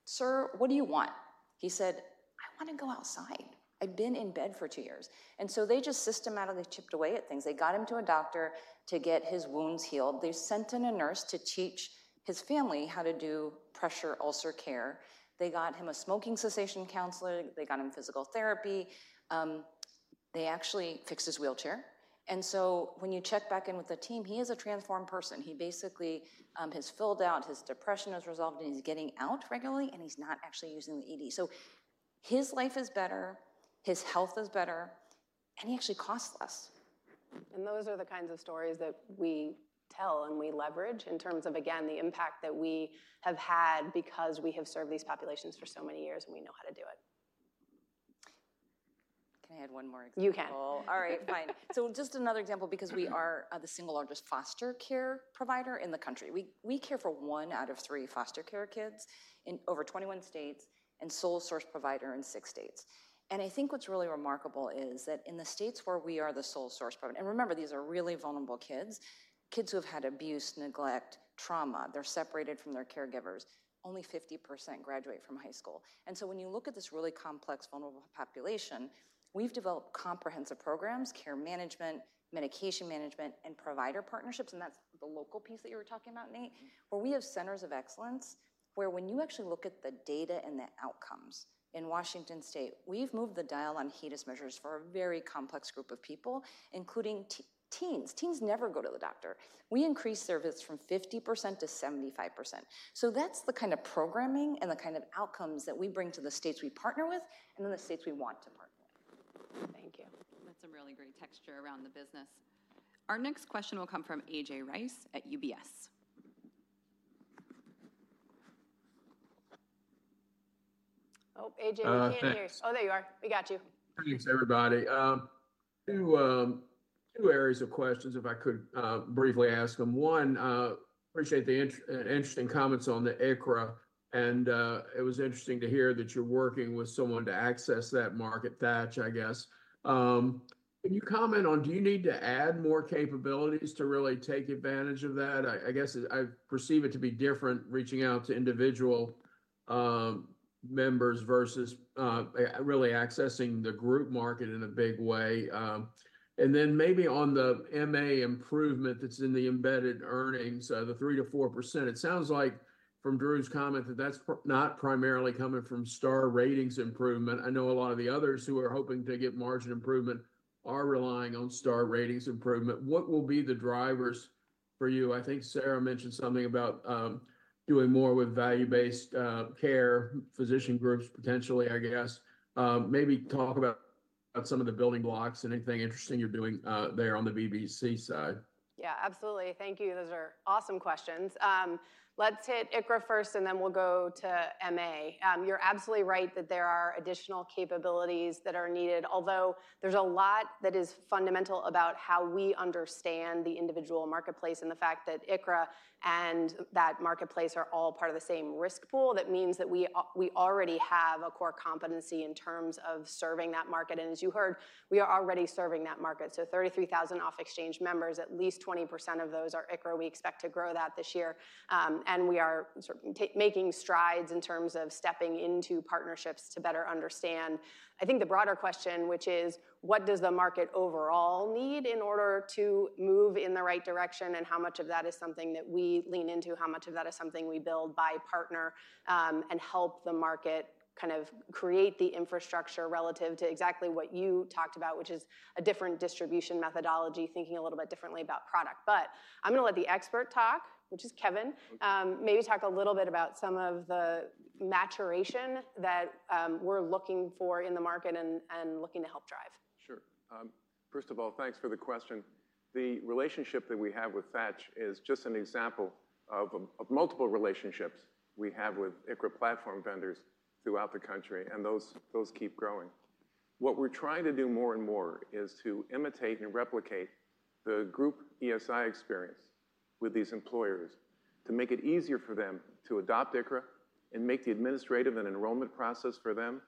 "Sir, what do you want?" He said, "I want to go outside. I've been in bed for two years," and so they just systematically chipped away at things. They got him to a doctor to get his wounds healed. They sent in a nurse to teach his family how to do pressure ulcer care. They got him a smoking cessation counselor. They got him physical therapy. They actually fixed his wheelchair, and so when you check back in with the team, he is a transformed person. He basically has filled out, his depression has resolved, and he's getting out regularly, and he's not actually using the ED. So his life is better, his health is better, and he actually costs less, and those are the kinds of stories that we tell and we leverage in terms of, again, the impact that we have had because we have served these populations for so many years and we know how to do it. Can I add one more example? You can. All right. Fine. So just another example because we are the single largest foster care provider in the country. We care for one out of three foster care kids in over 21 states and sole source provider in six states. And I think what's really remarkable is that in the states where we are the sole source provider, and remember, these are really vulnerable kids, kids who have had abuse, neglect, trauma, they're separated from their caregivers, only 50% graduate from high school. When you look at this really complex, vulnerable population, we've developed comprehensive programs, care management, medication management, and provider partnerships. And that's the local piece that you were talking about, Nate, where we have centers of excellence where when you actually look at the data and the outcomes in Washington State, we've moved the dial on HEDIS measures for a very complex group of people, including teens. Teens never go to the doctor. We increased service from 50% to 75%. So that's the kind of programming and the kind of outcomes that we bring to the states we partner with and then the states we want to partner with. Thank you. That's a really great texture around the business. Our next question will come from A.J. Rice at UBS. Oh, A.J., we can't hear you. Oh, there you are. We got you. Thanks, everybody. Two areas of questions, if I could briefly ask them. One, appreciate the interesting comments on the ICHRA. It was interesting to hear that you're working with someone to access that market, Thatch, I guess. Can you comment on, do you need to add more capabilities to really take advantage of that? I guess I perceive it to be different reaching out to individual members versus really accessing the group market in a big way. And then maybe on the MA improvement that's in the embedded earnings, the 3%-4%, it sounds like from Drew's comment that that's not primarily coming from star-ratings improvement. I know a lot of the others who are hoping to get margin improvement are relying on star-ratings improvement. What will be the drivers for you? I think Sarah mentioned something about doing more with value-based care, physician groups potentially, I guess. Maybe talk about some of the building blocks, anything interesting you're doing there on the VBC side. Yeah, absolutely. Thank you. Those are awesome questions. Let's hit ICHRA first, and then we'll go to MA. You're absolutely right that there are additional capabilities that are needed, although there's a lot that is fundamental about how we understand the individual marketplace and the fact that ICHRA and that Marketplace are all part of the same risk pool. That means that we already have a core competency in terms of serving that market. And as you heard, we are already serving that market. So, 33,000 off-exchange members, at least 20% of those are ICHRA. We expect to grow that this year. And we are making strides in terms of stepping into partnerships to better understand. I think the broader question, which is, what does the market overall need in order to move in the right direction? And how much of that is something that we lean into? How much of that is something we build, buy, partner, and help the market kind of create the infrastructure relative to exactly what you talked about, which is a different distribution methodology, thinking a little bit differently about product? But I'm going to let the expert talk, which is Kevin, maybe talk a little bit about some of the maturation that we're looking for in the market and looking to help drive. Sure. First of all, thanks for the question. The relationship that we have with Thatch is just an example of multiple relationships we have with ICHRA platform vendors throughout the country, and those keep growing. What we're trying to do more and more is to imitate and replicate the group ESI experience with these employers to make it easier for them to adopt ICHRA and make the administrative and enrollment process for them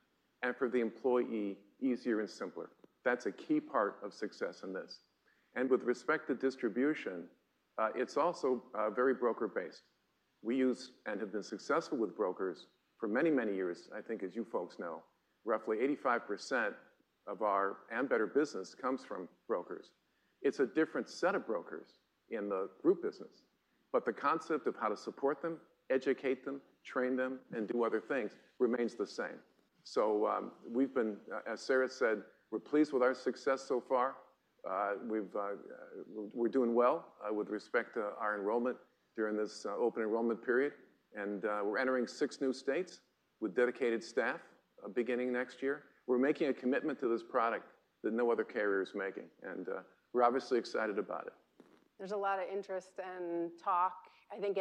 and for the employee easier and simpler. That's a key part of success in this. With respect to distribution, it's also very broker-based. We use and have been successful with brokers for many, many years, I think, as you folks know, roughly 85% of our Ambetter business comes from brokers. It's a different set of brokers in the group business, but the concept of how to support them, educate them, train them, and do other things remains the same. We've been, as Sarah said, we're pleased with our success so far. We're doing well with respect to our enrollment during this open enrollment period. We're entering six new states with dedicated staff beginning next year. We're making a commitment to this product that no other carrier is making. We're obviously excited about it. There's a lot of interest and talk, I think,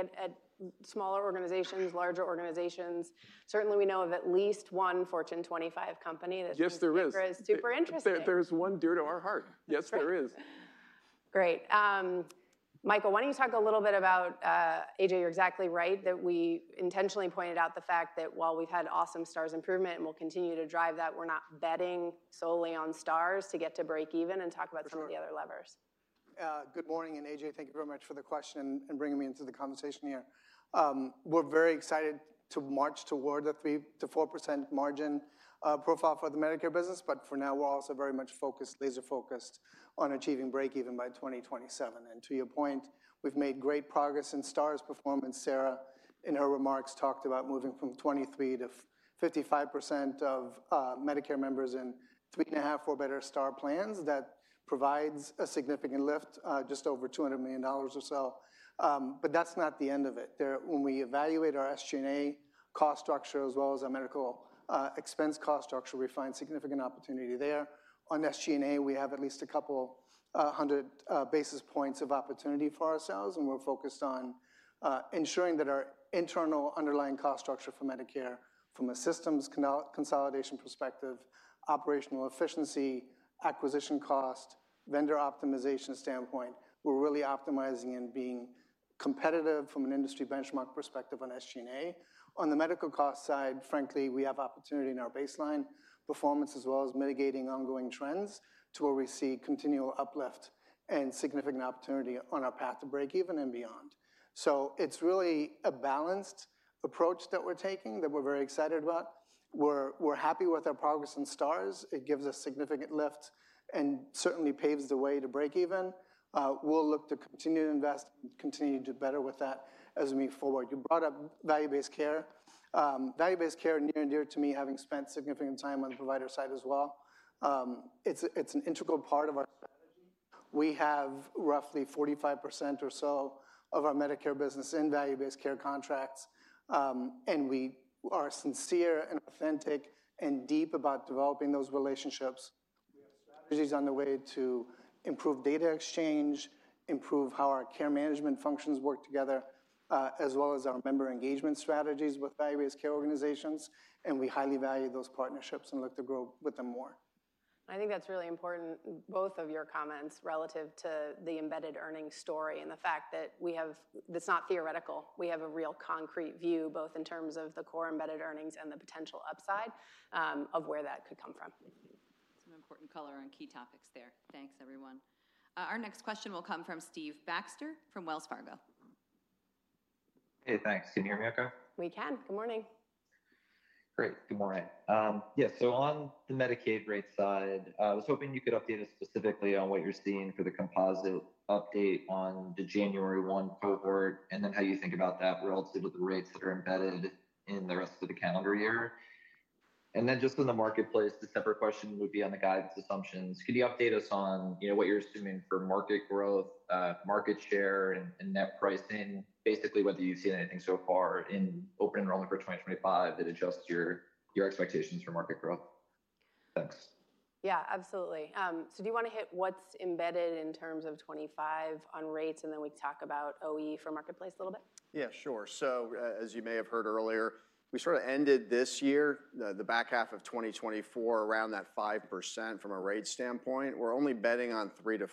at smaller organizations, larger organizations. Certainly, we know of at least one Fortune 25 company that's been ICHRA is super interesting. Yes there is. There's one dear to our heart. Yes, there is. Great. Michael, why don't you talk a little bit about. A.J., you're exactly right that we intentionally pointed out the fact that while we've had awesome Stars improvement and we'll continue to drive that, we're not betting solely on Stars to get to break even and talk about some of the other levers. Good morning. A.J., thank you very much for the question and bringing me into the conversation here. We're very excited to march toward the 3%-4% margin profile for the Medicare business, but for now, we're also very much focused, laser-focused on achieving break even by 2027, and to your point, we've made great progress in Stars performance. Sarah, in her remarks, talked about moving from 23%-55% of Medicare members in 3.5 or better Star plans. That provides a significant lift, just over $200 million or so. But that's not the end of it. When we evaluate our SG&A cost structure as well as our medical expense cost structure, we find significant opportunity there. On SG&A, we have at least a couple hundred basis points of opportunity for ourselves. We're focused on ensuring that our internal underlying cost structure for Medicare from a systems consolidation perspective, operational efficiency, acquisition cost, vendor optimization standpoint, we're really optimizing and being competitive from an industry benchmark perspective on SG&A. On the medical cost side, frankly, we have opportunity in our baseline performance as well as mitigating ongoing trends to where we see continual uplift and significant opportunity on our path to break even and beyond. It's really a balanced approach that we're taking that we're very excited about. We're happy with our progress in Stars. It gives us significant lift and certainly paves the way to break even. We'll look to continue to invest and continue to do better with that as we move forward. You brought up value-based care. Value-based care is near and dear to me, having spent significant time on the provider side as well. It's an integral part of our strategy. We have roughly 45% or so of our Medicare business in value-based care contracts, and we are sincere and authentic and deep about developing those relationships. We have strategies on the way to improve data exchange, improve how our care management functions work together, as well as our member engagement strategies with value-based care organizations, and we highly value those partnerships and look to grow with them more. I think that's really important, both of your comments relative to the embedded earnings story and the fact that we have; it's not theoretical. We have a real concrete view, both in terms of the core embedded earnings and the potential upside of where that could come from. Some important color on key topics there. Thanks, everyone. Our next question will come from Steve Baxter from Wells Fargo. Hey, thanks. Can you hear me okay? We can. Good morning. Great. Good morning. Yeah. So on the Medicaid rate side, I was hoping you could update us specifically on what you're seeing for the composite update on the January 1 cohort and then how you think about that relative to the rates that are embedded in the rest of the calendar year. And then just in the Marketplace, the separate question would be on the guidance assumptions. Could you update us on what you're assuming for market growth, market share, and net pricing, basically whether you've seen anything so far in open enrollment for 2025 that adjusts your expectations for market growth? Thanks. Yeah, absolutely. So do you want to hit what's embedded in terms of 25 on rates and then we talk about OE for Marketplace a little bit? Yeah, sure. So as you may have heard earlier, we sort of ended this year, the back half of 2024, around that 5% from a rate standpoint. We're only betting on 3%-4%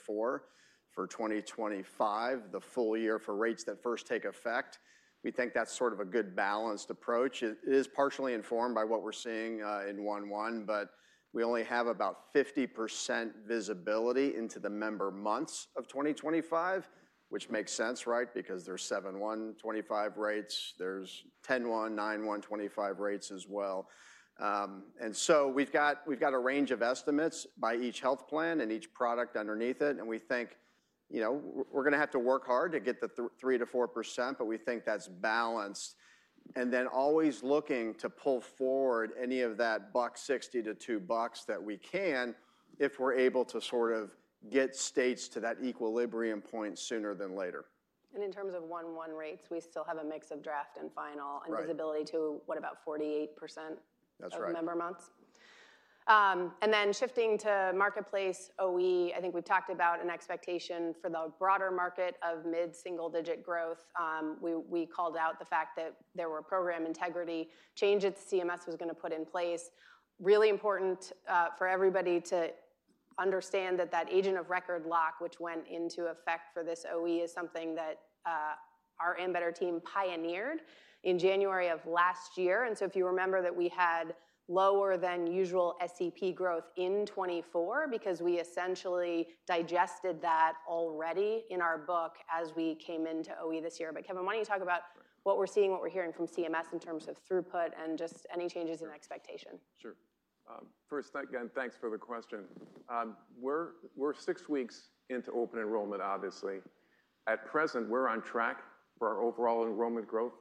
for 2025, the full year for rates that first take effect. We think that's sort of a good balanced approach. It is partially informed by what we're seeing in 1-1, but we only have about 50% visibility into the member months of 2025, which makes sense, right? Because there's 7-1-2025 rates, there's 10-1, 9-1 2025 rates as well. And so we've got a range of estimates by each health plan and each product underneath it. And we think we're going to have to work hard to get the 3%-4%, but we think that's balanced. And then always looking to pull forward any of that $1.60-$2 that we can if we're able to sort of get states to that equilibrium point sooner than later. And in terms of 1-1 rates, we still have a mix of draft and final and visibility to what, about 48% of member months. And then shifting to Marketplace OE, I think we've talked about an expectation for the broader market of mid-single-digit growth. We called out the fact that there were program integrity changes that CMS was going to put in place. Really important for everybody to understand that that agent of record lock, which went into effect for this OE, is something that our Ambetter team pioneered in January of last year. And so if you remember that we had lower than usual SEP growth in 2024 because we essentially digested that already in our book as we came into OE this year. But Kevin, why don't you talk about what we're seeing, what we're hearing from CMS in terms of throughput and just any changes in expectation? Sure. First, again, thanks for the question. We're six weeks into open enrollment, obviously. At present, we're on track for our overall enrollment growth.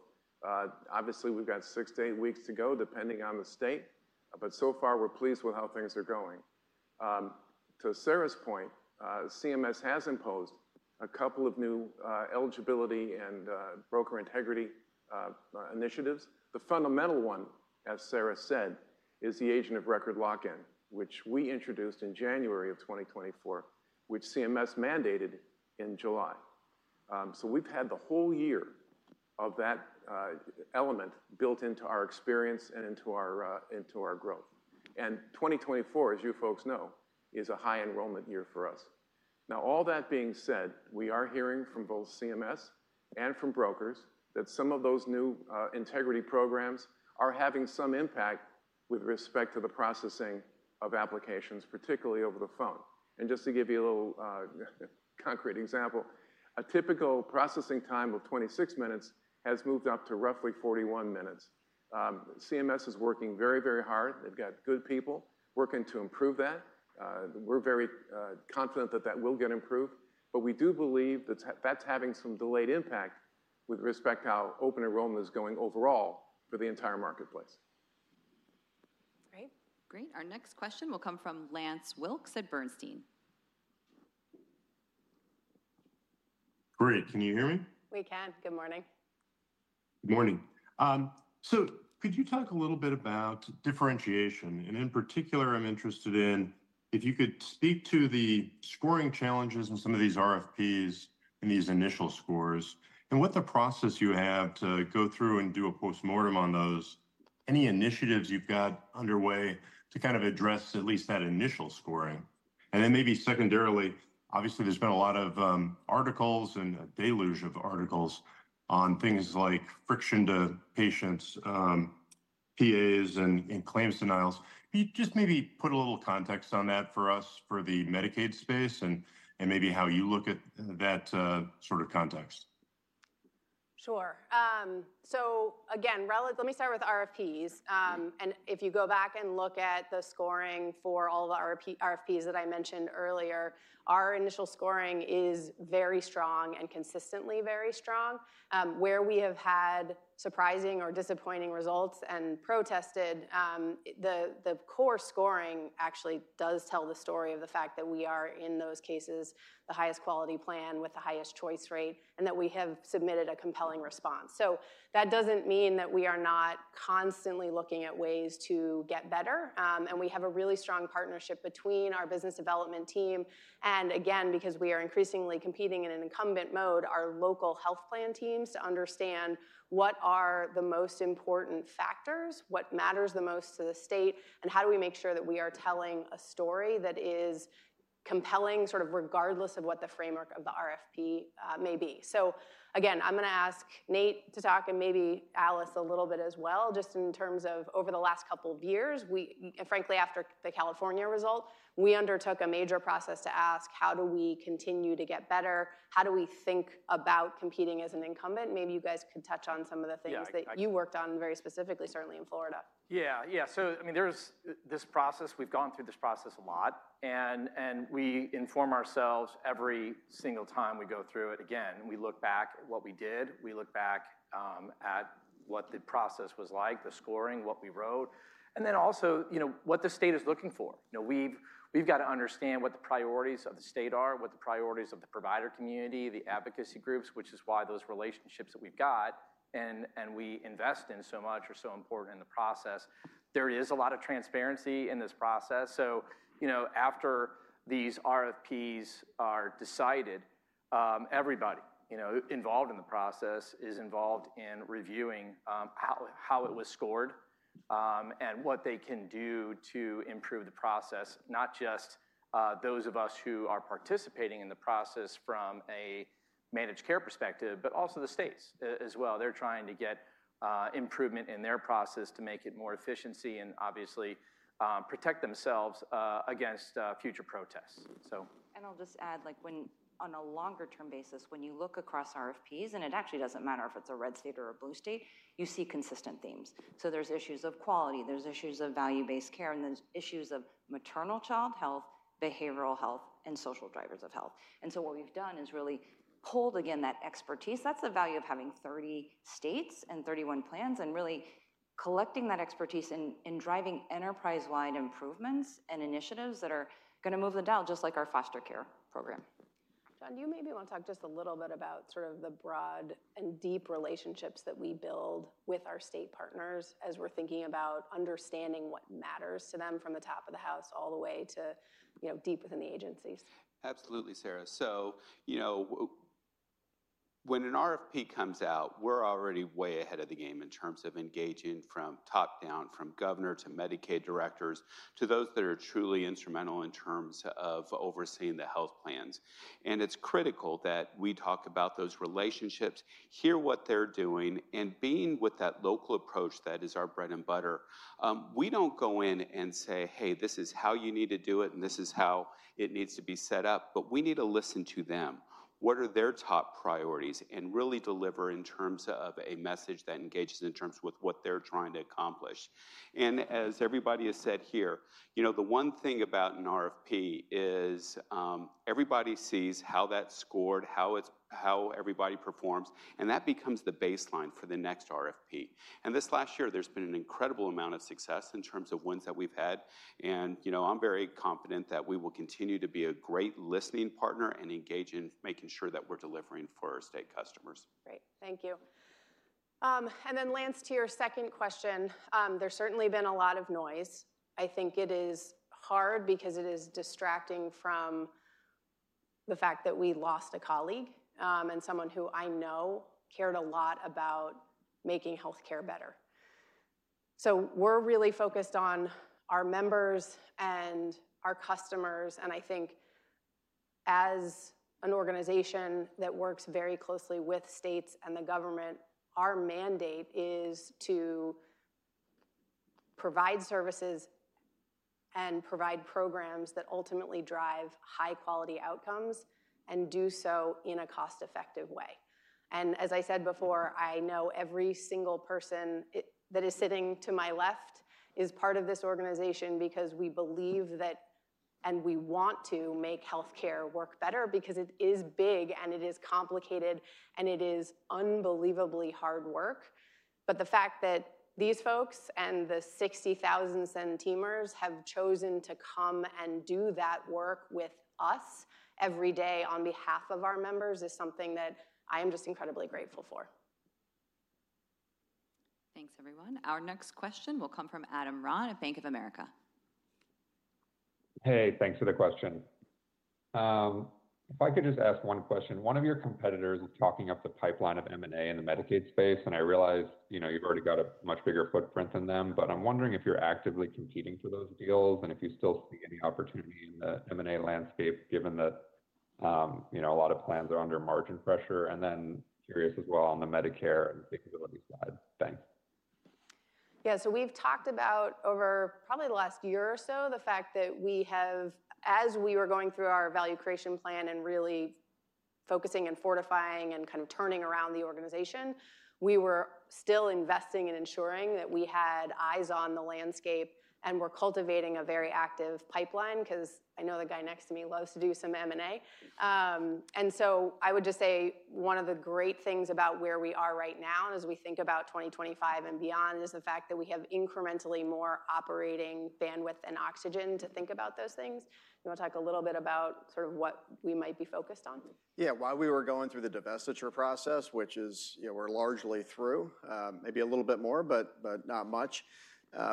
Obviously, we've got six to eight weeks to go depending on the state. But so far, we're pleased with how things are going. To Sarah's point, CMS has imposed a couple of new eligibility and broker integrity initiatives. The fundamental one, as Sarah said, is the agent of record lock-in, which we introduced in January of 2024, which CMS mandated in July. So we've had the whole year of that element built into our experience and into our growth. And 2024, as you folks know, is a high enrollment year for us. Now, all that being said, we are hearing from both CMS and from brokers that some of those new integrity programs are having some impact with respect to the processing of applications, particularly over the phone. And just to give you a little concrete example, a typical processing time of 26 minutes has moved up to roughly 41 minutes. CMS is working very, very hard. They've got good people working to improve that. We're very confident that that will get improved. But we do believe that that's having some delayed impact with respect to how open enrollment is going overall for the entire Marketplace. Great. Great. Our next question will come from Lance Wilkes at Bernstein. Great. Can you hear me? We can. Good morning. Good morning. So could you talk a little bit about differentiation? And in particular, I'm interested in if you could speak to the scoring challenges in some of these RFPs and these initial scores and what the process you have to go through and do a postmortem on those, any initiatives you've got underway to kind of address at least that initial scoring. And then maybe secondarily, obviously, there's been a lot of articles and a deluge of articles on things like friction to patients, PAs, and claims denials. Could you just maybe put a little context on that for us for the Medicaid space and maybe how you look at that sort of context? Sure. So again, let me start with RFPs. And if you go back and look at the scoring for all the RFPs that I mentioned earlier, our initial scoring is very strong and consistently very strong. Where we have had surprising or disappointing results and protested, the core scoring actually does tell the story of the fact that we are, in those cases, the highest quality plan with the highest choice rate and that we have submitted a compelling response. So that doesn't mean that we are not constantly looking at ways to get better. And we have a really strong partnership between our business development team. And again, because we are increasingly competing in an incumbent mode, our local health plan teams to understand what are the most important factors, what matters the most to the state, and how do we make sure that we are telling a story that is compelling sort of regardless of what the framework of the RFP may be. So again, I'm going to ask Nate to talk and maybe Alice a little bit as well, just in terms of over the last couple of years, frankly, after the California result, we undertook a major process to ask how do we continue to get better, how do we think about competing as an incumbent. Maybe you guys could touch on some of the things that you worked on very specifically, certainly in Florida. Yeah. Yeah. So I mean, there's this process. We've gone through this process a lot. And we inform ourselves every single time we go through it. Again, we look back at what we did. We look back at what the process was like, the scoring, what we wrote, and then also what the state is looking for. We've got to understand what the priorities of the state are, what the priorities of the provider community, the advocacy groups, which is why those relationships that we've got and we invest in so much are so important in the process. There is a lot of transparency in this process. So after these RFPs are decided, everybody involved in the process is involved in reviewing how it was scored and what they can do to improve the process, not just those of us who are participating in the process from a managed care perspective, but also the states as well. They're trying to get improvement in their process to make it more efficient and obviously protect themselves against future protests. And I'll just add, on a longer-term basis, when you look across RFPs, and it actually doesn't matter if it's a red state or a blue state, you see consistent themes. So there's issues of quality. There's issues of value-based care. And there's issues of maternal child health, behavioral health, and social drivers of health. And so what we've done is really hold, again, that expertise. That's the value of having 30 states and 31 plans and really collecting that expertise and driving enterprise-wide improvements and initiatives that are going to move the dial, just like our foster care program. Jon, do you maybe want to talk just a little bit about sort of the broad and deep relationships that we build with our state partners as we're thinking about understanding what matters to them from the top of the house all the way to deep within the agencies? Absolutely, Sarah. So when an RFP comes out, we're already way ahead of the game in terms of engaging from top down, from governor to Medicaid directors to those that are truly instrumental in terms of overseeing the health plans, and it's critical that we talk about those relationships, hear what they're doing, and being with that local approach that is our bread and butter. We don't go in and say, "Hey, this is how you need to do it, and this is how it needs to be set up," but we need to listen to them. What are their top priorities and really deliver in terms of a message that engages in terms with what they're trying to accomplish? And as everybody has said here, the one thing about an RFP is everybody sees how that's scored, how everybody performs, and that becomes the baseline for the next RFP. And this last year, there's been an incredible amount of success in terms of wins that we've had. And I'm very confident that we will continue to be a great listening partner and engage in making sure that we're delivering for our state customers. Great. Thank you. And then Lance, to your second question, there's certainly been a lot of noise. I think it is hard because it is distracting from the fact that we lost a colleague and someone who I know cared a lot about making healthcare better. We're really focused on our members and our customers. I think as an organization that works very closely with states and the government, our mandate is to provide services and provide programs that ultimately drive high-quality outcomes and do so in a cost-effective way. As I said before, I know every single person that is sitting to my left is part of this organization because we believe that and we want to make healthcare work better because it is big and it is complicated and it is unbelievably hard work. The fact that these folks and the 60,000 CenTeamers have chosen to come and do that work with us every day on behalf of our members is something that I am just incredibly grateful for. Thanks, everyone. Our next question will come from Adam Ron at Bank of America. Hey, thanks for the question. If I could just ask one question, one of your competitors is talking up the pipeline of M&A in the Medicaid space, and I realized you've already got a much bigger footprint than them, but I'm wondering if you're actively competing for those deals and if you still see any opportunity in the M&A landscape given that a lot of plans are under margin pressure. And then curious as well on the Medicare and capability side. Thanks. Yeah. So we've talked about over probably the last year or so the fact that we have, as we were going through our value creation plan and really focusing and fortifying and kind of turning around the organization, we were still investing and ensuring that we had eyes on the landscape and were cultivating a very active pipeline because I know the guy next to me loves to do some M&A. And so I would just say one of the great things about where we are right now as we think about 2025 and beyond is the fact that we have incrementally more operating bandwidth and oxygen to think about those things. You want to talk a little bit about sort of what we might be focused on? Yeah. While we were going through the divestiture process, which we're largely through, maybe a little bit more, but not much,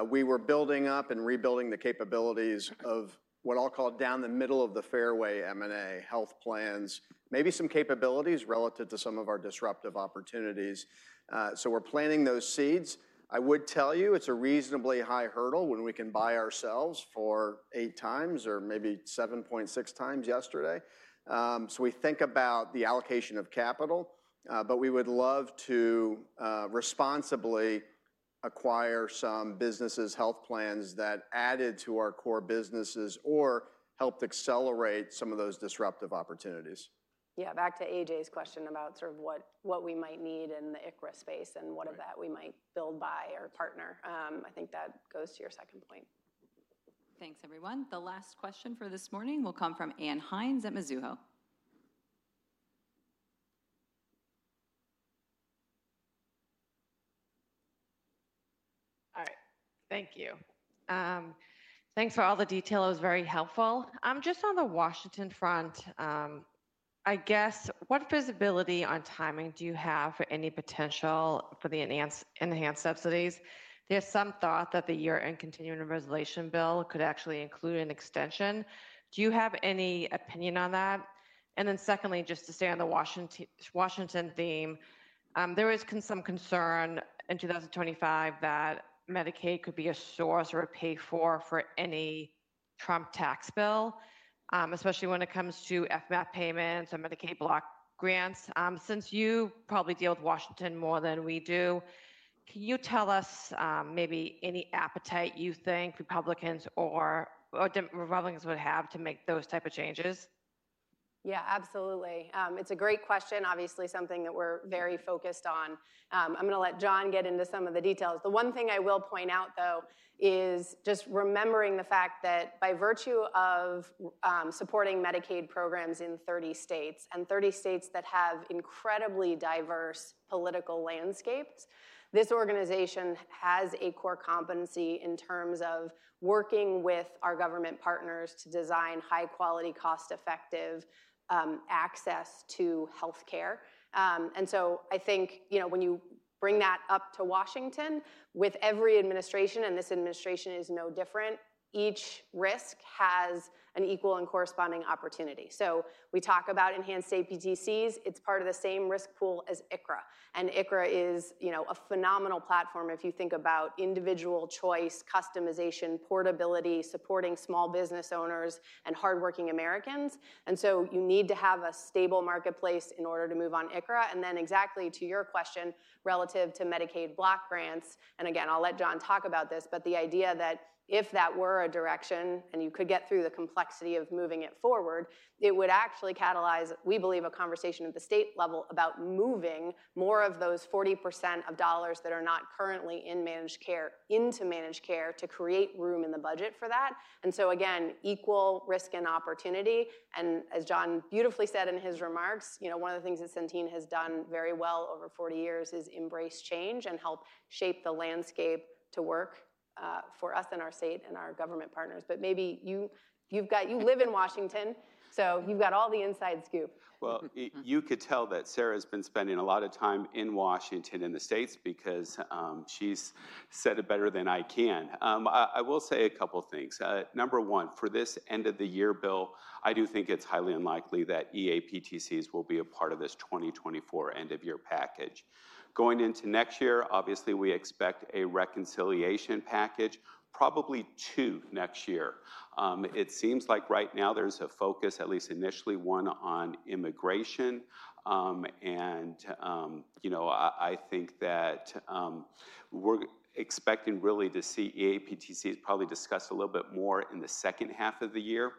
we were building up and rebuilding the capabilities of what I'll call down the middle of the fairway M&A health plans, maybe some capabilities relative to some of our disruptive opportunities. So we're planting those seeds. I would tell you it's a reasonably high hurdle when we can buy ourselves for 8x or maybe 7.6x yesterday. So we think about the allocation of capital, but we would love to responsibly acquire some businesses' health plans that added to our core businesses or helped accelerate some of those disruptive opportunities. Yeah. Back to A.J.'s question about sort of what we might need in the ICHRA space and what of that we might build, buy, or partner. I think that goes to your second point. Thanks, everyone. The last question for this morning will come from Ann Hynes at Mizuho. All right. Thank you. Thanks for all the detail. It was very helpful. Just on the Washington front, I guess, what visibility on timing do you have for any potential for the enhanced subsidies? There's some thought that the year-end continuing resolution bill could actually include an extension. Do you have any opinion on that? And then secondly, just to stay on the Washington theme, there is some concern in 2025 that Medicaid could be a source or a pay-for for any Trump tax bill, especially when it comes to FMAP payments or Medicaid block grants. Since you probably deal with Washington more than we do, can you tell us maybe any appetite you think Republicans or Republicans would have to make those type of changes? Yeah, absolutely. It's a great question. Obviously, something that we're very focused on. I'm going to let Jon get into some of the details. The one thing I will point out, though, is just remembering the fact that by virtue of supporting Medicaid programs in 30 states and 30 states that have incredibly diverse political landscapes, this organization has a core competency in terms of working with our government partners to design high-quality, cost-effective access to healthcare. And so I think when you bring that up to Washington with every administration, and this administration is no different, each risk has an equal and corresponding opportunity. So we talk about enhanced eAPTCs. It's part of the same risk pool as ICHRA. And ICHRA is a phenomenal platform if you think about individual choice, customization, portability, supporting small business owners and hardworking Americans. And so you need to have a stable Marketplace in order to move on ICHRA. Then exactly to your question relative to Medicaid block grants, and again, I'll let Jon talk about this, but the idea that if that were a direction and you could get through the complexity of moving it forward, it would actually catalyze, we believe, a conversation at the state level about moving more of those 40% of dollars that are not currently in managed care into managed care to create room in the budget for that. And so again, equal risk and opportunity. And as Jon beautifully said in his remarks, one of the things that Centene has done very well over 40 years is embrace change and help shape the landscape to work for us and our state and our government partners. But maybe you live in Washington, so you've got all the inside scoop. You could tell that Sarah has been spending a lot of time in Washington and the states because she's said it better than I can. I will say a couple of things. Number one, for this end-of-the-year bill, I do think it's highly unlikely that eAPTCs will be a part of this 2024 end-of-year package. Going into next year, obviously, we expect a reconciliation package, probably two next year. It seems like right now there's a focus, at least initially one on immigration. And I think that we're expecting really to see eAPTCs probably discussed a little bit more in the second half of the year.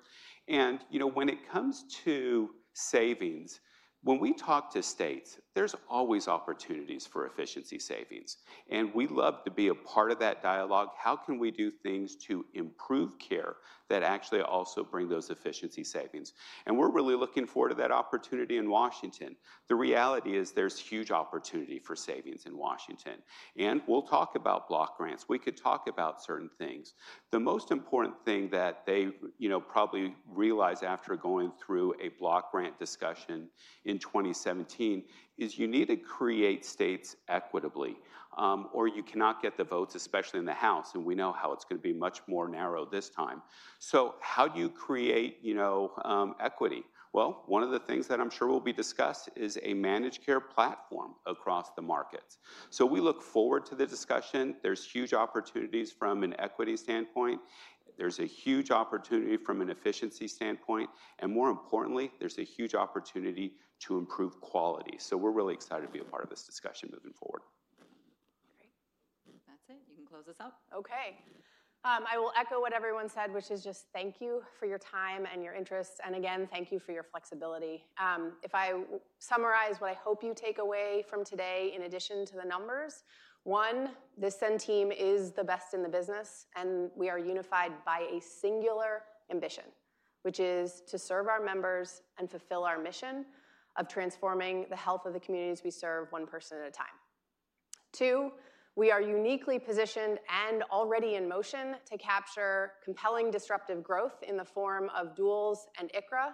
And when it comes to savings, when we talk to states, there's always opportunities for efficiency savings. And we'd love to be a part of that dialogue. How can we do things to improve care that actually also bring those efficiency savings? We're really looking forward to that opportunity in Washington. The reality is there's huge opportunity for savings in Washington. We'll talk about block grants. We could talk about certain things. The most important thing that they probably realize after going through a block grant discussion in 2017 is you need to create states equitably or you cannot get the votes, especially in the House. We know how it's going to be much more narrow this time. How do you create equity? Well, one of the things that I'm sure will be discussed is a managed care platform across the markets. We look forward to the discussion. There's huge opportunities from an equity standpoint. There's a huge opportunity from an efficiency standpoint. More importantly, there's a huge opportunity to improve quality. We're really excited to be a part of this discussion moving forward. Great. That's it. You can close us out. Okay. I will echo what everyone said, which is just thank you for your time and your interest. And again, thank you for your flexibility. If I summarize what I hope you take away from today in addition to the numbers, one, this Centene is the best in the business, and we are unified by a singular ambition, which is to serve our members and fulfill our mission of transforming the health of the communities we serve one person at a time. Two, we are uniquely positioned and already in motion to capture compelling disruptive growth in the form of Duals and ICHRA.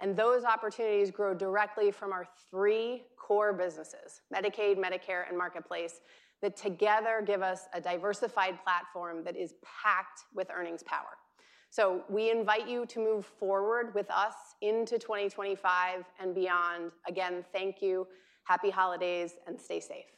And those opportunities grow directly from our three core businesses, Medicaid, Medicare, and Marketplace, that together give us a diversified platform that is packed with earnings power. So we invite you to move forward with us into 2025 and beyond. Again, thank you. Happy holidays and stay safe.